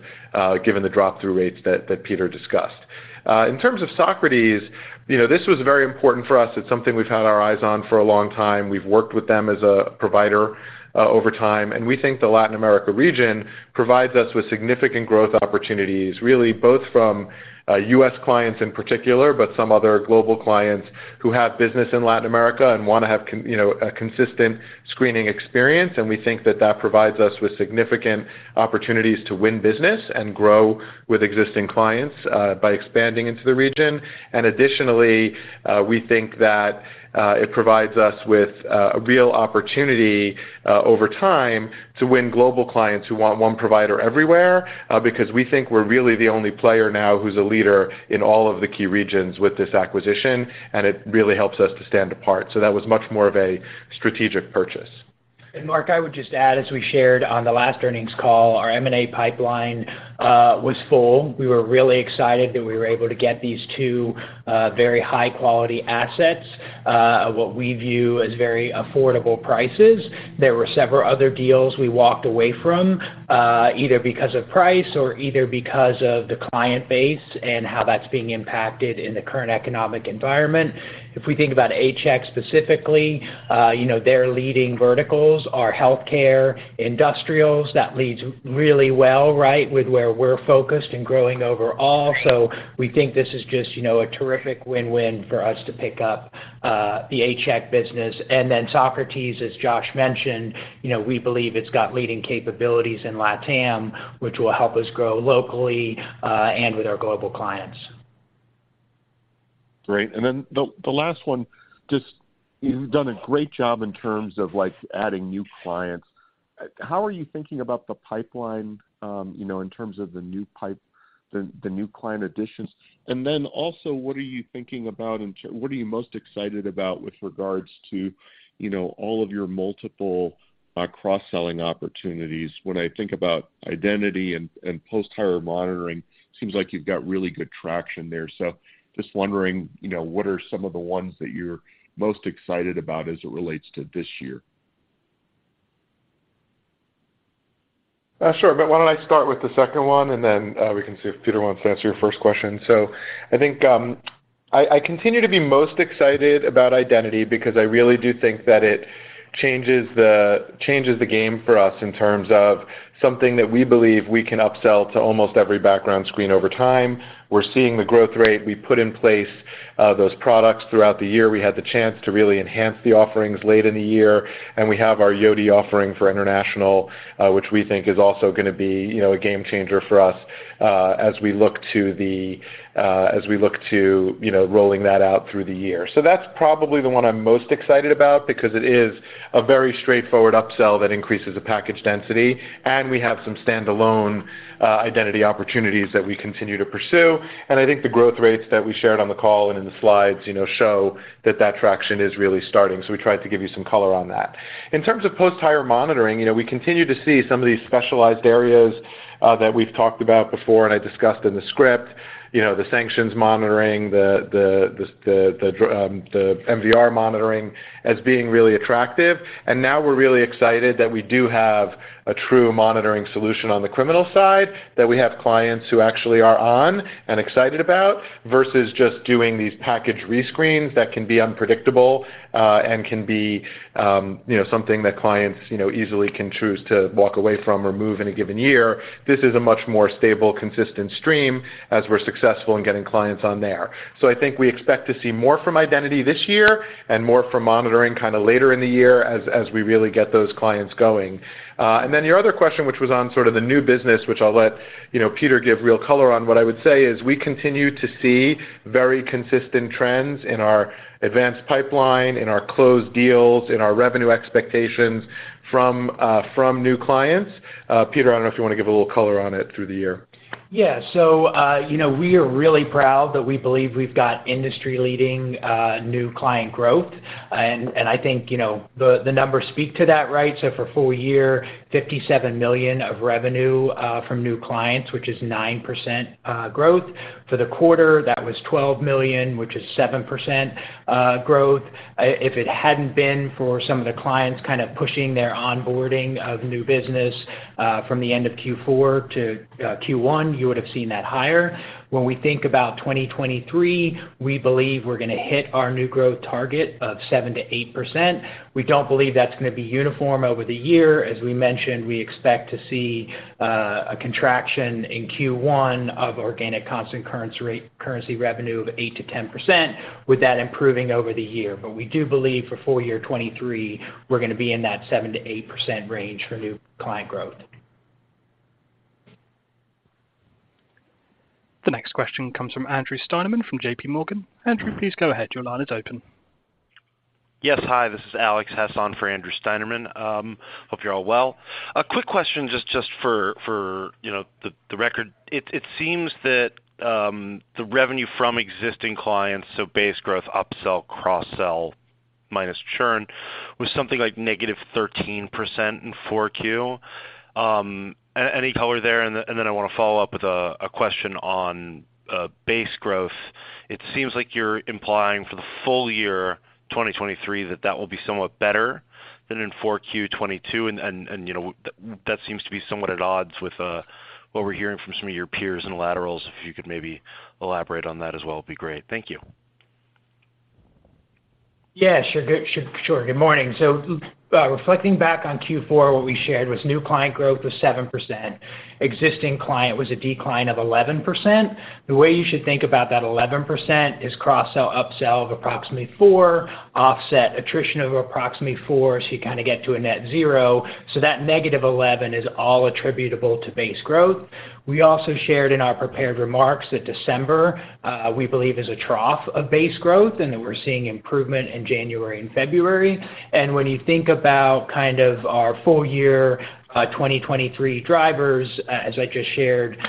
S3: given the drop-through rates that Peter discussed. In terms of Socrates, you know, this was very important for us. It's something we've had our eyes on for a long time. We've worked with them as a provider, over time, we think the Latin America region provides us with significant growth opportunities, really both from, U.S. clients in particular, but some other global clients who have business in Latin America and wanna have, you know, a consistent screening experience. We think that that provides us with significant opportunities to win business and grow with existing clients, by expanding into the region. Additionally, we think that it provides us with a real opportunity over time to win global clients who want one provider everywhere, because we think we're really the only player now who's a leader in all of the key regions with this acquisition, and it really helps us to stand apart. That was much more of a strategic purchase.
S4: Mark, I would just add, as we shared on the last earnings call, our M&A pipeline was full. We were really excited that we were able to get these two very high-quality assets at what we view as very affordable prices. There were several other deals we walked away from, either because of price or either because of the client base and how that's being impacted in the current economic environment. If we think about A-Check specifically, you know, their leading verticals are healthcare, industrials. That leads really well, right, with where we're focused and growing overall. We think this is just, you know, a terrific win-win for us to pick up the A-Check business. Socrates, as Josh mentioned, you know, we believe it's got leading capabilities in LATAM, which will help us grow locally and with our global clients.
S5: Great. The, the last one, just you've done a great job in terms of like adding new clients. How are you thinking about the pipeline, you know, in terms of the new client additions? Also, what are you thinking about what are you most excited about with regards to, you know, all of your multiple cross-selling opportunities? When I think about identity and post-hire monitoring, seems like you've got really good traction there. Just wondering, you know, what are some of the ones that you're most excited about as it relates to this year?
S3: Sure. Why don't I start with the second one, and then we can see if Peter wants to answer your first question. I think, I continue to be most excited about identity because I really do think that it changes the game for us in terms of something that we believe we can upsell to almost every background screen over time. We're seeing the growth rate. We put in place those products throughout the year. We had the chance to really enhance the offerings late in the year, and we have our Yoti offering for international, which we think is also gonna be, you know, a game changer for us, as we look to, you know, rolling that out through the year. That's probably the one I'm most excited about because it is a very straightforward upsell that increases the package density, and we have some standalone identity opportunities that we continue to pursue. I think the growth rates that we shared on the call and in the slides, you know, show that that traction is really starting. We tried to give you some color on that. In terms of post-hire monitoring, you know, we continue to see some of these specialized areas that we've talked about before and I discussed in the script, you know, the sanctions monitoring, the MVR monitoring as being really attractive. Now we're really excited that we do have a true monitoring solution on the criminal side, that we have clients who actually are on and excited about versus just doing these package re-screens that can be unpredictable, and can be, you know, something that clients, you know, easily can choose to walk away from or move in a given year. This is a much more stable, consistent stream as we're successful in getting clients on there. I think we expect to see more from identity this year and more from monitoring kinda later in the year as we really get those clients going. Then your other question, which was on sort of the new business, which I'll let, you know, Peter give real color on. What I would say is we continue to see very consistent trends in our advanced pipeline, in our closed deals, in our revenue expectations from new clients. Peter, I don't know if you wanna give a little color on it through the year?
S4: Yeah, so, you know, we are really proud that we believe we've got industry-leading new client growth. I think, you know, the numbers speak to that, right? For full year, $57 million of revenue from new clients, which is 9% growth. For the quarter, that was $12 million, which is 7% growth. If it hadn't been for some of the clients kind of pushing their onboarding of new business from the end of Q4 to Q1, you would have seen that higher. When we think about 2023, we believe we're gonna hit our new growth target of 7%-8%. We don't believe that's gonna be uniform over the year. As we mentioned, we expect to see a contraction in Q1 of organic constant currency revenue of 8%-10%, with that improving over the year. We do believe for full year 2023, we're gonna be in that 7%-8% range for new client growth.
S1: The next question comes from Andrew Steinerman from JPMorgan. Andrew, please go ahead. Your line is open.
S6: Yes. Hi, this is Alex Hassan for Andrew Steinerman. Hope you're all well. A quick question just for, you know, the record. It seems that the revenue from existing clients, so base growth, upsell, cross-sell minus churn was something like -13% in 4Q. Any color there? I wanna follow up with a question on base growth. It seems like you're implying for the full year 2023 that that will be somewhat better than in 4Q 2022. You know, that seems to be somewhat at odds with what we're hearing from some of your peers and laterals. If you could maybe elaborate on that as well, it'd be great. Thank you.
S4: Yeah, sure. Good morning. Reflecting back on Q4, what we shared was new client growth was 7%. Existing client was a decline of 11%. The way you should think about that 11% is cross-sell, upsell of approximately 4%, offset attrition of approximately 4%, you kinda get to a net zero. That -11% is all attributable to base growth. We also shared in our prepared remarks that December, we believe is a trough of base growth and that we're seeing improvement in January and February. When you think about kind of our full year 2023 drivers, as I just shared,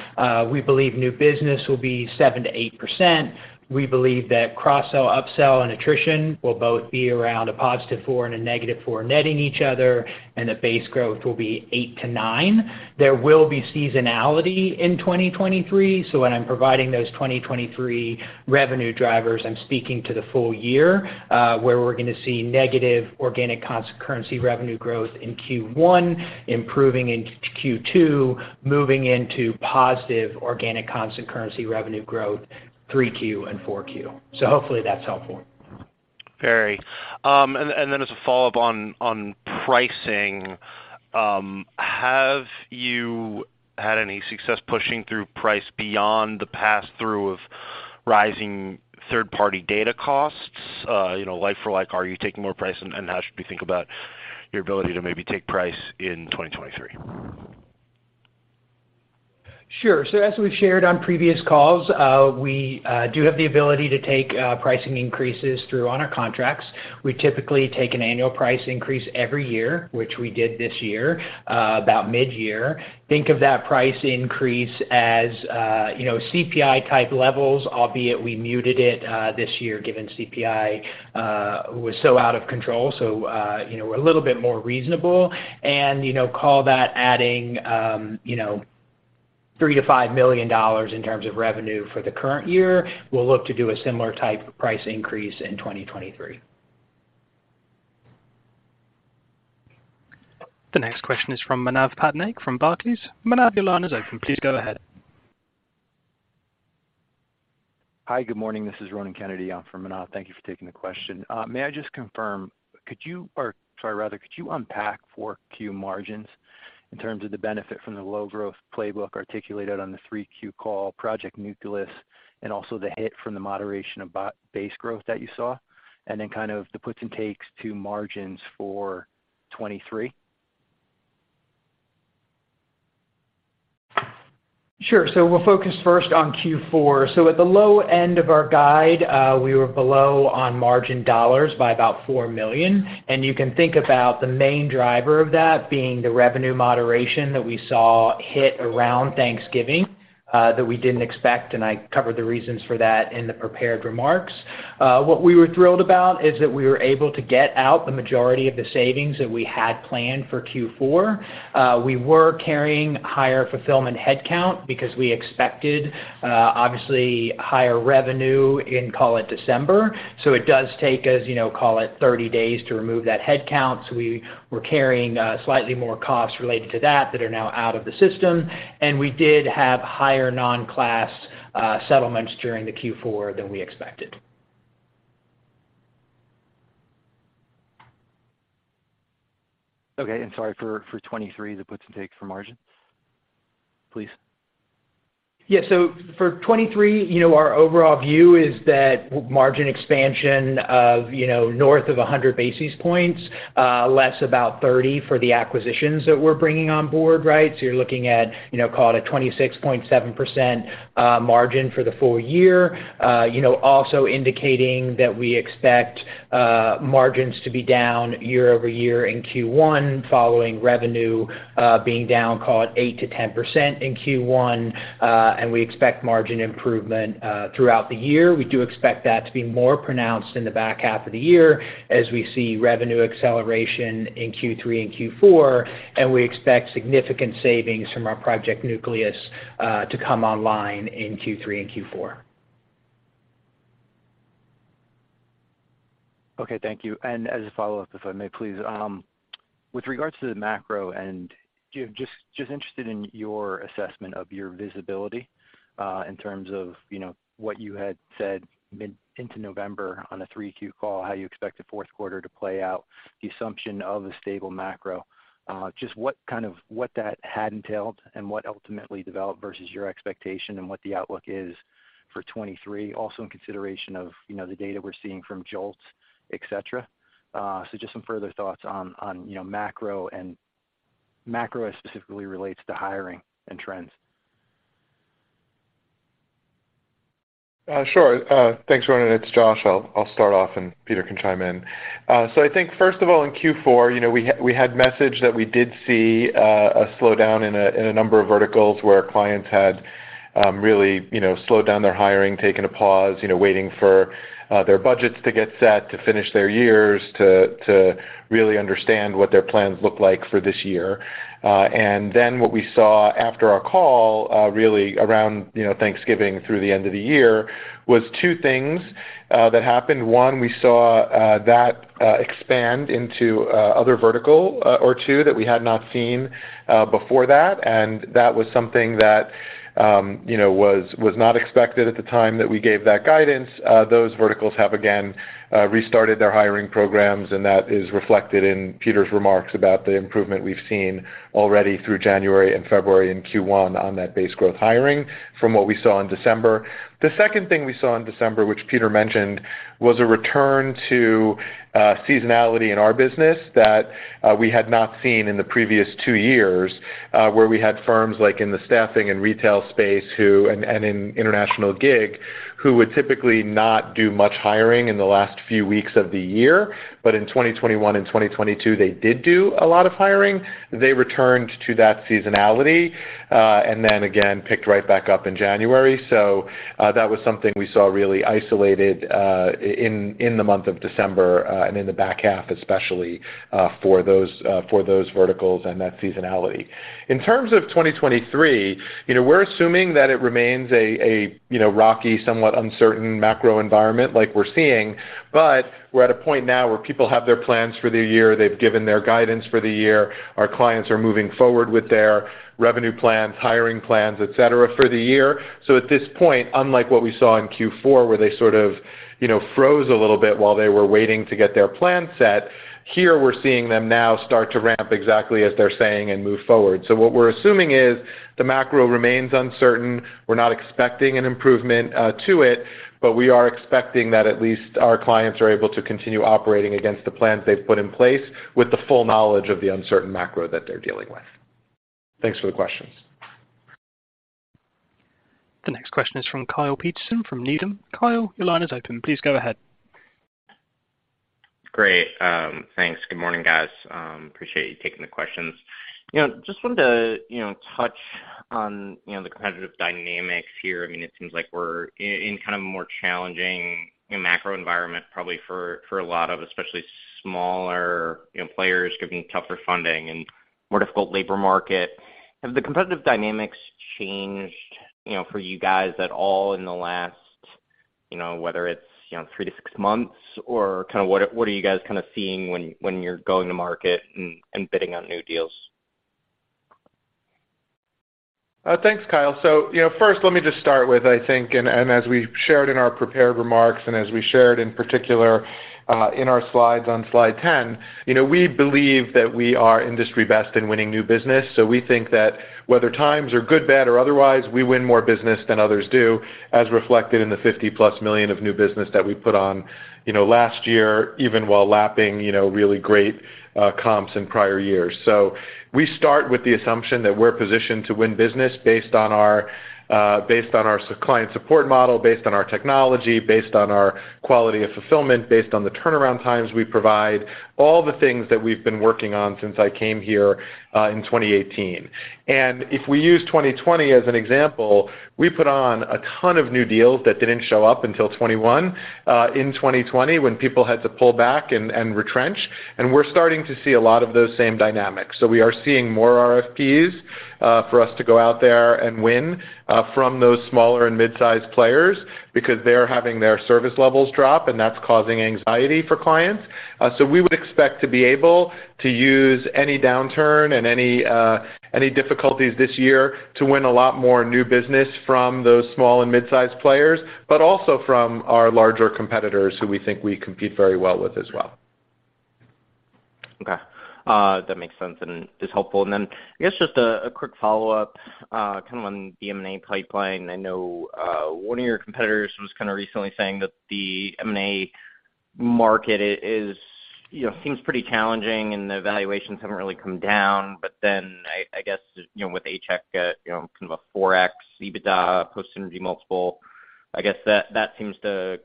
S4: we believe new business will be 7%-8%. We believe that cross-sell, upsell, and attrition will both be around a +4% and a -4% netting each other, and the base growth will be 8%-9%. There will be seasonality in 2023. When I'm providing those 2023 revenue drivers, I'm speaking to the full year, where we're gonna see negative organic constant currency revenue growth in Q1, improving in Q2, moving into positive organic constant currency revenue growth 3Q and 4Q. Hopefully that's helpful.
S6: Very. Then as a follow-up on pricing, have you had any success pushing through price beyond the passthrough of rising third-party data costs? You know, like for like, are you taking more price? How should we think about your ability to maybe take price in 2023?
S4: Sure. As we've shared on previous calls, we do have the ability to take pricing increases through on our contracts. We typically take an annual price increase every year, which we did this year, about mid-year. Think of that price increase as, you know, CPI-type levels, albeit we muted it this year, given CPI was so out of control, so, you know, a little bit more reasonable. You know, call that adding, you know, $3 million-$5 million in terms of revenue for the current year. We'll look to do a similar type of price increase in 2023.
S1: The next question is from Manav Patnaik from Barclays. Manav, your line is open. Please go ahead.
S7: Hi. Good morning. This is Ronan Kennedy in for Manav. Thank you for taking the question. May I just confirm or sorry, rather, could you unpack 4Q margins in terms of the benefit from the low-growth playbook articulated on the 3Q call, Project Nucleus, and also the hit from the moderation of base growth that you saw, and then kind of the puts and takes to margins for 2023?
S4: Sure. We'll focus first on Q4. At the low end of our guide, we were below on margin dollars by about $4 million. You can think about the main driver of that being the revenue moderation that we saw hit around Thanksgiving that we didn't expect, and I covered the reasons for that in the prepared remarks. What we were thrilled about is that we were able to get out the majority of the savings that we had planned for Q4. We were carrying higher fulfillment headcount because we expected obviously higher revenue in, call it, December. It does take us, you know, call it 30 days to remove that headcount. We were carrying slightly more costs related to that that are now out of the system. We did have higher non-class settlements during the Q4 than we expected.
S7: Okay. sorry, for 2023, the puts and takes for margins, please.
S4: Yeah. For 2023, you know, our overall view is that margin expansion of, you know, north of 100 basis points, less about 30 for the acquisitions that we're bringing on board, right? You're looking at, you know, call it a 26.7% margin for the full year. you know, also indicating that we expect margins to be down year-over-year in Q1 following revenue being down, call it, 8%-10% in Q1. We expect margin improvement throughout the year. We do expect that to be more pronounced in the back half of the year as we see revenue acceleration in Q3 and Q4, and we expect significant savings from our Project Nucleus to come online in Q3 and Q4.
S7: Okay. Thank you. As a follow-up, if I may, please. With regards to the macro and interested in your assessment of your visibility, in terms of, you know, what you had said mid into November on the 3Q call, how you expect the fourth quarter to play out, the assumption of a stable macro. What that had entailed and what ultimately developed versus your expectation and what the outlook is for 2023. Also, in consideration of, you know, the data we're seeing from JOLTS, et cetera. Just some further thoughts on, you know, macro as specifically relates to hiring and trends.
S3: Sure. Thanks, Ronan. It's Josh. I'll start off, and Peter can chime in. I think first of all, in Q4, you know, we had messaged that we did see a slowdown in a number of verticals where clients had really, you know, slowed down their hiring, taken a pause, you know, waiting for their budgets to get set to finish their years to really understand what their plans look like for this year. What we saw after our call, really around, you know, Thanksgiving through the end of the year was two things that happened. One, we saw that expand into other vertical or two that we had not seen before that, and that was something that, you know, was not expected at the time that we gave that guidance. Those verticals have again restarted their hiring programs, and that is reflected in Peter's remarks about the improvement we've seen already through January and February and Q1 on that base growth hiring from what we saw in December. The second thing we saw in December, which Peter mentioned, was a return to seasonality in our business that we had not seen in the previous two years, where we had firms like in the staffing and retail space and in international gig, who would typically not do much hiring in the last few weeks of the year. In 2021 and 2022, they did do a lot of hiring. They returned to that seasonality, and then again picked right back up in January. That was something we saw really isolated in the month of December and in the back half, especially, for those verticals and that seasonality. In terms of 2023, you know, we're assuming that it remains a, you know, rocky, somewhat uncertain macro environment like we're seeing. We're at a point now where people have their plans for the year. They've given their guidance for the year. Our clients are moving forward with their revenue plans, hiring plans, et cetera, for the year. At this point, unlike what we saw in Q4, where they sort of, you know, froze a little bit while they were waiting to get their plan set, here we're seeing them now start to ramp exactly as they're saying and move forward. What we're assuming is the macro remains uncertain. We're not expecting an improvement to it, but we are expecting that at least our clients are able to continue operating against the plans they've put in place with the full knowledge of the uncertain macro that they're dealing with. Thanks for the questions.
S1: The next question is from Kyle Peterson from Needham. Kyle, your line is open. Please go ahead.
S8: Great. Thanks. Good morning, guys. Appreciate you taking the questions. You know, just wanted to, you know, touch on, you know, the competitive dynamics here. I mean, it seems like we're in kind of a more challenging, you know, macro environment, probably for a lot of especially smaller, you know, players giving tougher funding and more difficult labor market. Have the competitive dynamics changed, you know, for you guys at all in the last, you know, whether it's, you know, three to six months, or kinda what are you guys kinda seeing when you're going to market and bidding on new deals?
S3: Thanks, Kyle. You know, first let me just start with, I think, and as we shared in our prepared remarks and as we shared in particular, in our slides on slide 10, you know, we believe that we are industry best in winning new business. We think that whether times are good, bad or otherwise, we win more business than others do, as reflected in the $50+ million of new business that we put on, you know, last year, even while lapping, you know, really great, comps in prior years. We start with the assumption that we're positioned to win business based on our based on our client support model, based on our technology, based on our quality of fulfillment, based on the turnaround times we provide, all the things that we've been working on since I came here in 2018. If we use 2020 as an example, we put on a ton of new deals that didn't show up until 2021 in 2020 when people had to pull back and retrench, and we're starting to see a lot of those same dynamics. We are seeing more RFPs for us to go out there and win from those smaller and mid-sized players because they're having their service levels drop, and that's causing anxiety for clients. We would expect to be able to use any downturn and any difficulties this year to win a lot more new business from those small and mid-sized players, but also from our larger competitors who we think we compete very well with as well.
S8: Okay. That makes sense and is helpful. I guess just a quick follow-up kind of on the M&A pipeline. I know, one of your competitors was kind of recently saying that the M&A market is, you know, seems pretty challenging and the valuations haven't really come down. I guess, you know, with A-Check at, you know, kind of a 4x EBITDA post synergy multiple, I guess that seems to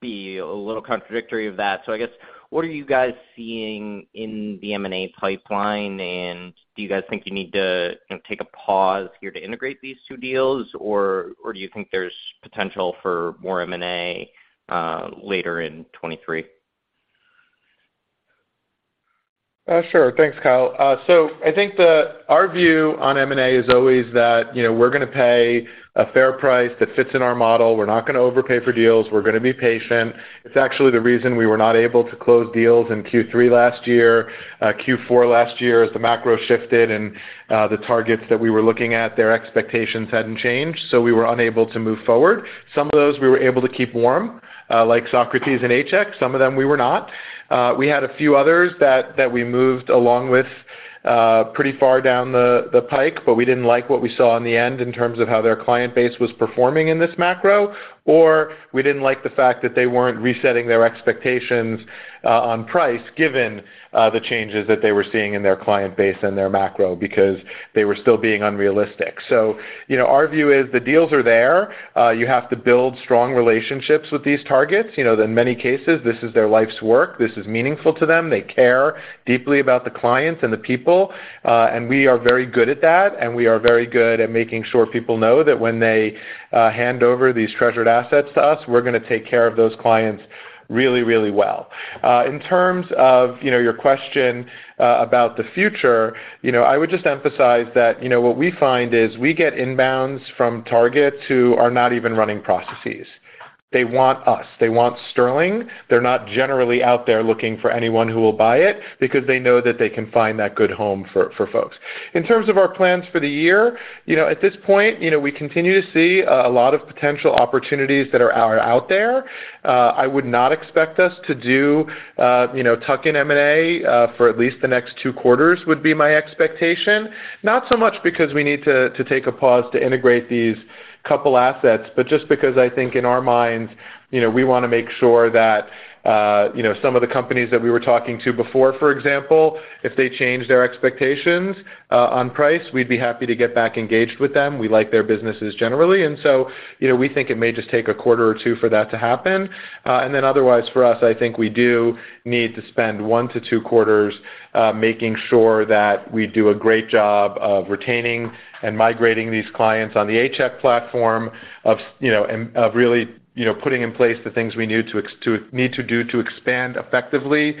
S8: be a little contradictory of that. I guess, what are you guys seeing in the M&A pipeline? Do you guys think you need to, you know, take a pause here to integrate these two deals? Or do you think there's potential for more M&A later in 2023?
S3: Sure. Thanks, Kyle. I think our view on M&A is always that, you know, we're gonna pay a fair price that fits in our model. We're not gonna overpay for deals. We're gonna be patient. It's actually the reason we were not able to close deals in Q3 last year, Q4 last year, as the macro shifted and the targets that we were looking at, their expectations hadn't changed, so we were unable to move forward. Some of those we were able to keep warm, like Socrates and A-Check, some of them we were not. We had a few othe rs that we moved along with, pretty far down the pike, but we didn't like what we saw on the end in terms of how their client base was performing in this macro, or we didn't like the fact that they weren't resetting their expectations, on price given, the changes that they were seeing in their client base and their macro because they were still being unrealistic. You know, our view is the deals are there. You have to build strong relationships with these targets. You know, in many cases, this is their life's work. This is meaningful to them. They care deeply about the clients and the people, and we are very good at that, and we are very good at making sure people know that when they hand over these treasured assets to us, we're gonna take care of those clients really, really well. In terms of, you know, your question about the future, you know, I would just emphasize that, you know, what we find is we get inbounds from targets who are not even running processes. They want us. They want Sterling. They're not generally out there looking for anyone who will buy it because they know that they can find that good home for folks. In terms of our plans for the year, you know, at this point, you know, we continue to see a lot of potential opportunities that are out there. I would not expect us to do, you know, tuck-in M&A, for at least the next two quarters, would be my expectation. Not so much because we need to take a pause to integrate these couple assets, but just because I think in our minds, you know, we wanna make sure that, you know, some of the companies that we were talking to before, for example, if they change their expectations, on price, we'd be happy to get back engaged with them. We like their businesses generally. You know, we think it may just take a quarter or two for that to happen. Then otherwise for us, I think we do need to spend one to two quarters making sure that we do a great job of retaining and migrating these clients on the A-Check platform of, you know, and of really, you know, putting in place the things we need to do to expand effectively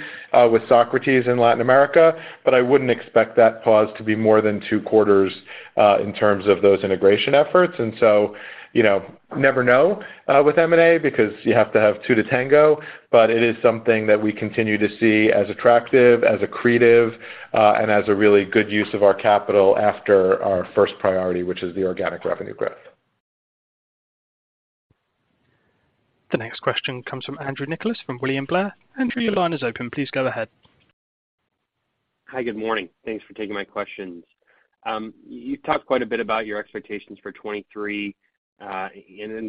S3: with Socrates in Latin America. I wouldn't expect that pause to be more than two quarters in terms of those integration efforts. You know, never know with M&A because you have to have two to tango, but it is something that we continue to see as attractive, as accretive, and as a really good use of our capital after our first priority, which is the organic revenue growth.
S1: The next question comes from Andrew Nicholas from William Blair. Andrew, your line is open. Please go ahead.
S9: Hi, good morning. Thanks for taking my questions. You talked quite a bit about your expectations for 2023,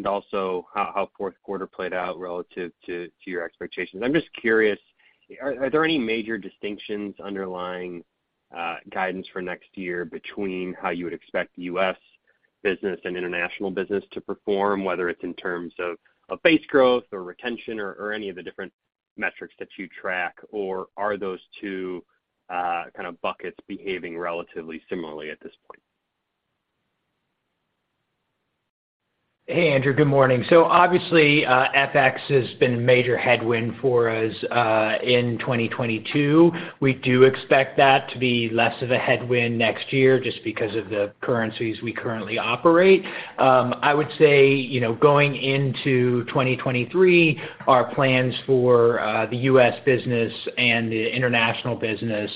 S9: also how fourth quarter played out relative to your expectations. I'm just curious. Are there any major distinctions underlying guidance for next year between how you would expect U.S. business and international business to perform, whether it's in terms of base growth or retention or any of the different metrics that you track? Are those two kind of buckets behaving relatively similarly at this point?
S4: Hey, Andrew. Good morning. Obviously, FX has been a major headwind for us in 2022. We do expect that to be less of a headwind next year just because of the currencies we currently operate. I would say, you know, going into 2023, our plans for the U.S. business and the international business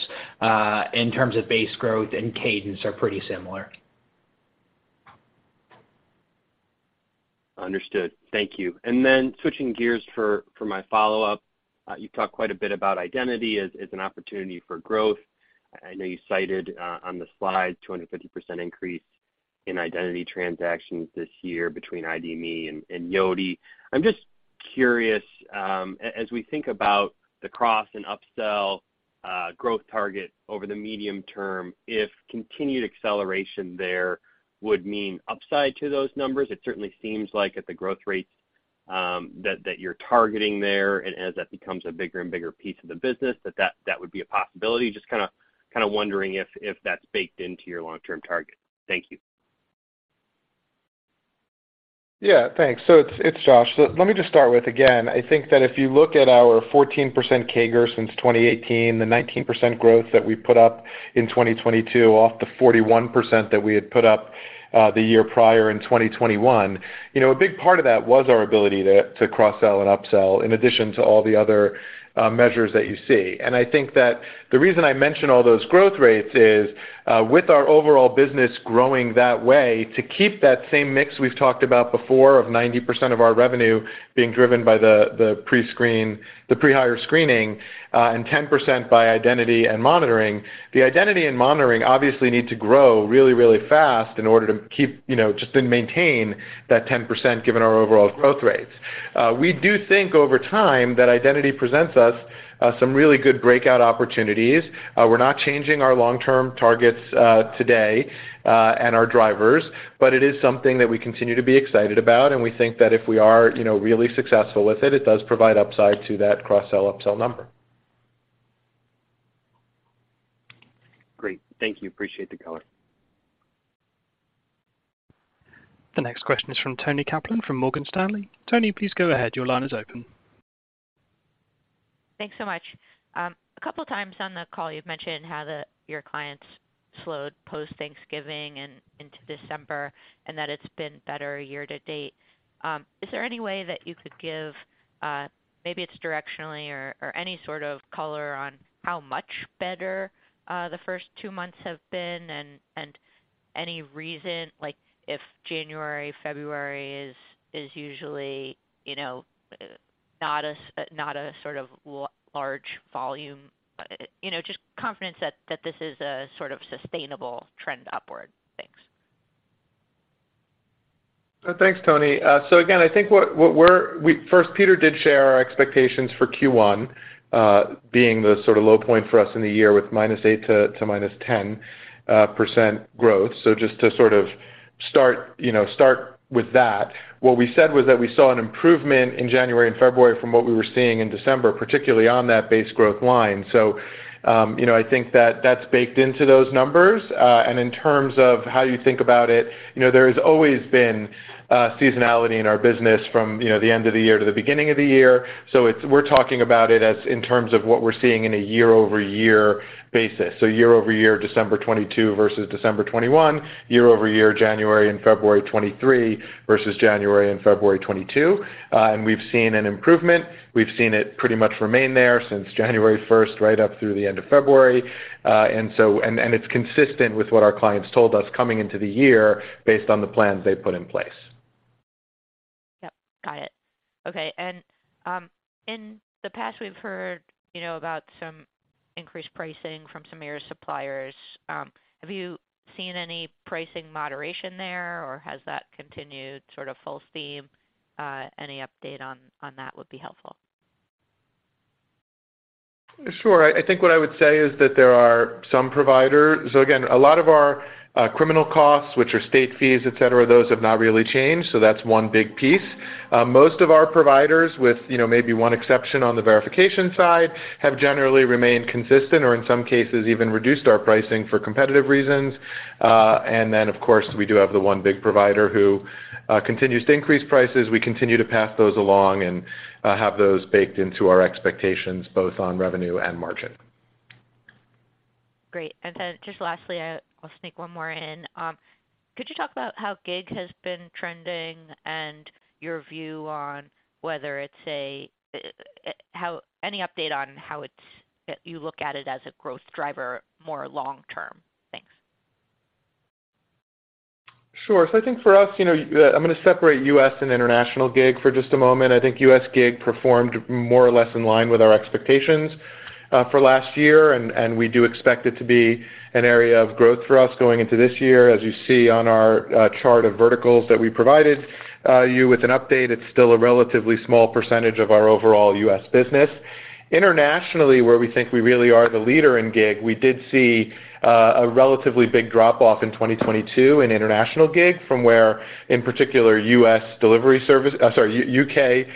S4: in terms of base growth and cadence are pretty similar.
S9: Understood. Thank you. Then switching gears for my follow-up. You've talked quite a bit about identity as an opportunity for growth. I know you cited on the slide 200% increase in identity transactions this year between ID.me and Yoti. I'm just curious, as we think about the cross and upsell growth target over the medium term, if continued acceleration there would mean upside to those numbers. It certainly seems like at the growth rates that you're targeting there, and as that becomes a bigger and bigger piece of the business, that would be a possibility. Just kinda wondering if that's baked into your long-term target. Thank you.
S3: Yeah. Thanks. It's Josh. Let me just start with, again, I think that if you look at our 14% CAGR since 2018, the 19% growth that we put up in 2022 off the 41% that we had put up, the year prior in 2021, you know, a big part of that was our ability to cross-sell and upsell, in addition to all the other, measures that you see. I think that the reason I mention all those growth rates is, with our overall business growing that way, to keep that same mix we've talked about before of 90% of our revenue being driven by the pre-hire screening, and 10% by identity and monitoring, the identity and monitoring obviously need to grow really, really fast in order to keep, you know, just then maintain that 10% given our overall growth rates. We do think over time that identity presents us some really good breakout opportunities. We're not changing our long-term targets today, and our drivers, but it is something that we continue to be excited about, and we think that if we are, you know, really successful with it does provide upside to that cross-sell, upsell number.
S9: Great. Thank you. Appreciate the color.
S1: The next question is from Toni Kaplan from Morgan Stanley. Toni, please go ahead. Your line is open.
S10: Thanks so much. A couple times on the call you've mentioned how your clients slowed post-Thanksgiving and into December, and that it's been better year to date. Is there any way that you could give, maybe it's directionally or any sort of color on how much better the first two months have been? Any reason, like, if January, February is usually, you know, not a sort of large volume, you know, just confidence that this is a sort of sustainable trend upward? Thanks.
S3: Thanks, Toni. Again, I think what first, Peter did share our expectations for Q1, being the sort of low point for us in the year with -8% to -10% growth. Just to sort of start with that. What we said was that we saw an improvement in January and February from what we were seeing in December, particularly on that base growth line. I think that that's baked into those numbers. In terms of how you think about it, you know, there's always been seasonality in our business from, you know, the end of the year to the beginning of the year. We're talking about it as in terms of what we're seeing in a year-over-year basis. Year-over-year, December 2022 versus December 2021. Year-over-year, January and February 2023 versus January and February 2022. We've seen an improvement. We've seen it pretty much remain there since January first, right up through the end of February. It's consistent with what our clients told us coming into the year based on the plans they put in place.
S10: Yep. Got it. Okay. In the past we've heard, you know, about some increased pricing from some of your suppliers. Have you seen any pricing moderation there, or has that continued sort of full steam? Any update on that would be helpful.
S3: Sure. I think what I would say is that there are some providers. Again, a lot of our criminal costs, which are state fees, et cetera, those have not really changed, so that's one big piece. Most of our providers with, you know, maybe one exception on the verification side, have generally remained consistent or in some cases even reduced our pricing for competitive reasons. Of course, we do have the one big provider who continues to increase prices. We continue to pass those along and have those baked into our expectations, both on revenue and margin.
S10: Great. Just lastly, I'll sneak one more in. Could you talk about how gig has been trending and your view on whether it's a, any update on how it's you look at it as a growth driver more long term? Thanks.
S3: Sure. I think for us, you know, I'm gonna separate U.S. and international gig for just a moment. I think U.S. gig performed more or less in line with our expectations. For last year, and we do expect it to be an area of growth for us going into this year. As you see on our chart of verticals that we provided you with an update, it's still a relatively small percentage of our overall U.S. business. Internationally, where we think we really are the leader in gig, we did see a relatively big drop off in 2022 in international gig from where, in particular, U.S. delivery service. I'm sorry, U.K.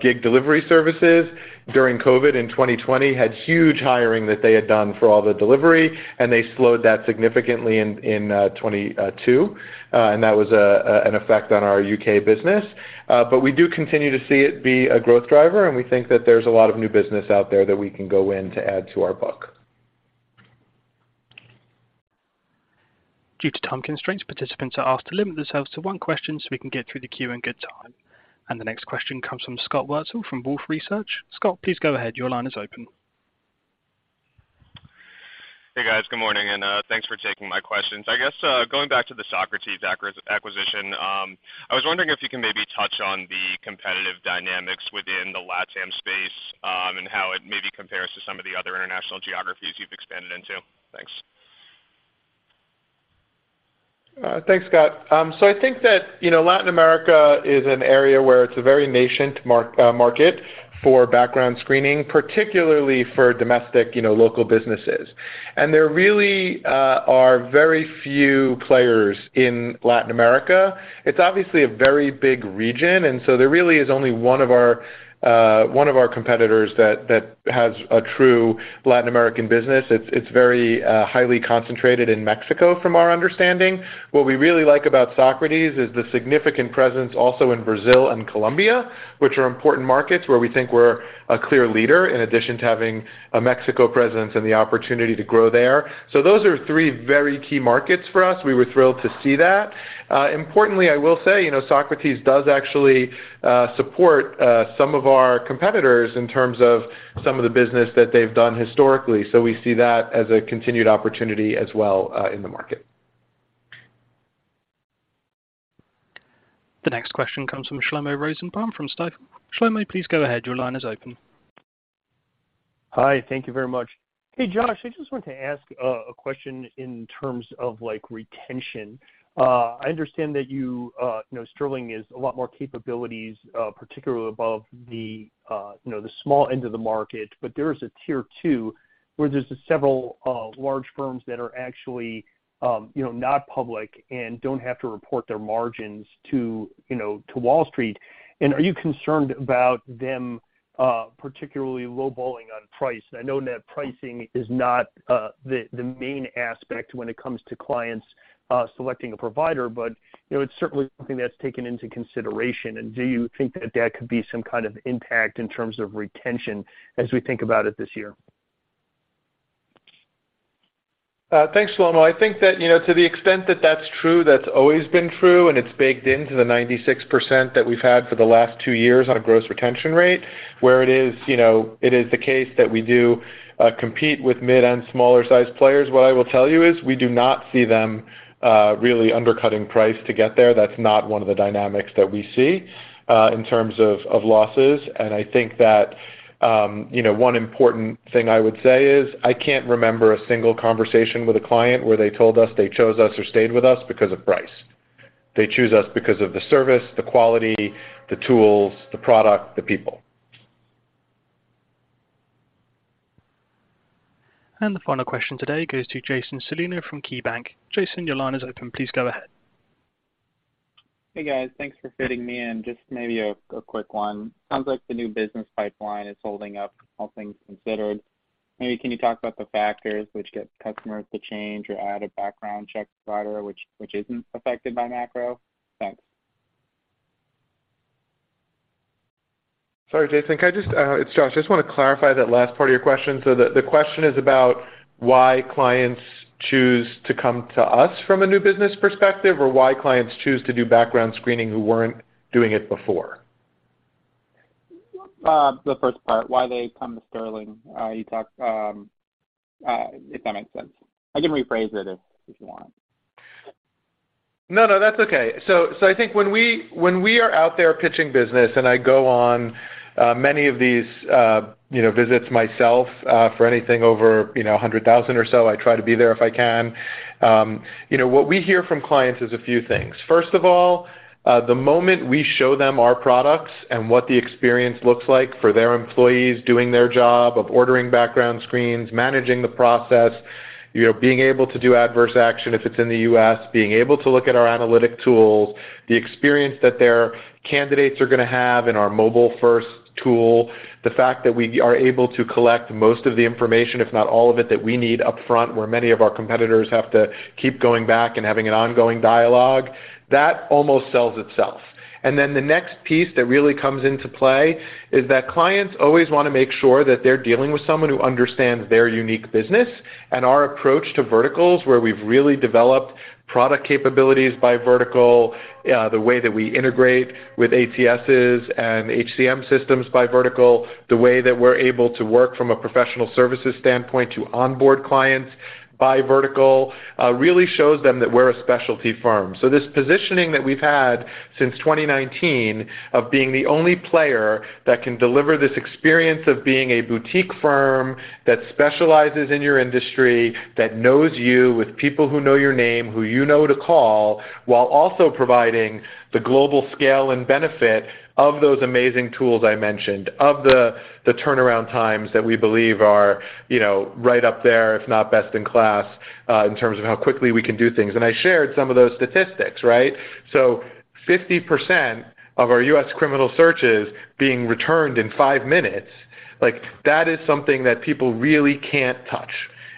S3: gig delivery services during COVID in 2020 had huge hiring that they had done for all the delivery, and they slowed that significantly in 2022. That was an effect on our U.K. business. We do continue to see it be a growth driver, and we think that there's a lot of new business out there that we can go in to add to our book.
S1: Due to time constraints, participants are asked to limit themselves to one question so we can get through the queue in good time. The next question comes from Scott Wurtzel from Wolfe Research. Scott, please go ahead. Your line is open.
S11: Hey, guys. Good morning. Thanks for taking my questions. I guess, going back to the Socrates acquisition, I was wondering if you can maybe touch on the competitive dynamics within the LATAM space, and how it maybe compares to some of the other international geographies you've expanded into. Thanks.
S3: Thanks, Scott. I think that, you know, Latin America is an area where it's a very nascent market for background screening, particularly for domestic, you know, local businesses. There really are very few players in Latin America. It's obviously a very big region. There really is only one of our competitors that has a true Latin American business. It's very highly concentrated in Mexico from our understanding. What we really like about Socrates is the significant presence also in Brazil and Colombia, which are important markets where we think we're a clear leader in addition to having a Mexico presence and the opportunity to grow there. Those are three very key markets for us. We were thrilled to see that. Importantly, I will say, you know, Socrates does actually support some of our competitors in terms of some of the business that they've done historically. We see that as a continued opportunity as well in the market.
S1: The next question comes from Shlomo Rosenbaum from Stifel. Shlomo, please go ahead. Your line is open.
S12: Hi. Thank you very much. Hey, Josh. I just wanted to ask a question in terms of retention. I understand that you know, Sterling has a lot more capabilities, particularly above the, you know, the small end of the market, but there is a tier two, where there's several large firms that are actually, you know, not public and don't have to report their margins to, you know, to Wall Street. Are you concerned about them, particularly low-balling on price? I know net pricing is not the main aspect when it comes to clients selecting a provider, but, you know, it's certainly something that's taken into consideration. Do you think that that could be some kind of impact in terms of retention as we think about it this year?
S3: Thanks, Shlomo. I think that, you know, to the extent that that's true, that's always been true, and it's baked into the 96% that we've had for the last two years on a gross retention rate, where it is, you know, it is the case that we do compete with mid and smaller-sized players. What I will tell you is we do not see them really undercutting price to get there. That's not one of the dynamics that we see in terms of losses. I think that, you know, one important thing I would say is I can't remember a single conversation with a client where they told us they chose us or stayed with us because of price. They choose us because of the service, the quality, the tools, the product, the people.
S1: The final question today goes to Jason Celino from KeyBanc. Jason, your line is open. Please go ahead.
S13: Hey, guys. Thanks for fitting me in. Just maybe a quick one. Sounds like the new business pipeline is holding up, all things considered. Maybe can you talk about the factors which get customers to change or add a background check provider which isn't affected by macro? Thanks.
S3: Sorry, Jason. It's Josh. I just want to clarify that last part of your question. The question is about why clients choose to come to us from a new business perspective, or why clients choose to do background screening who weren't doing it before?
S13: The first part, why they come to Sterling. You talked, if that makes sense. I can rephrase it if you want.
S3: No, that's okay. I think when we are out there pitching business, and I go on many of these, you know, visits myself, for anything over, you know, $100,000 or so, I try to be there if I can. You know, what we hear from clients is a few things. First of all, the moment we show them our products and what the experience looks like for their employees doing their job of ordering background screens, managing the process, you know, being able to do adverse action if it's in the U.S., being able to look at our analytic tools, the experience that their candidates are gonna have in our mobile-first tool, the fact that we are able to collect most of the information, if not all of it, that we need up front, where many of our competitors have to keep going back and having an ongoing dialogue, that almost sells itself. The next piece that really comes into play is that clients always wanna make sure that they're dealing with someone who understands their unique business and our approach to verticals, where we've really developed product capabilities by vertical, the way that we integrate with ATSs and HCM systems by vertical, the way that we're able to work from a professional services standpoint to onboard clients by vertical, really shows them that we're a specialty firm. This positioning that we've had since 2019 of being the only player that can deliver this experience of being a boutique firm that specializes in your industry, that knows you, with people who know your name, who you know to call, while also providing the global scale and benefit of those amazing tools I mentioned, of the turnaround times that we believe are, you know, right up there, if not best in class, in terms of how quickly we can do things. I shared some of those statistics, right? 50% of our U.S. criminal searches being returned in five minutes, like, that is something that people really can't touch.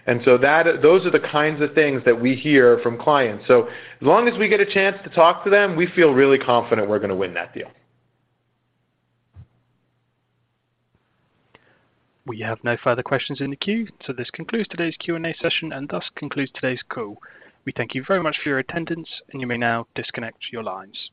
S3: Those are the kinds of things that we hear from clients. As long as we get a chance to talk to them, we feel really confident we're gonna win that deal.
S1: We have no further questions in the queue. This concludes today's Q&A session and thus concludes today's call. We thank you very much for your attendance, and you may now disconnect your lines.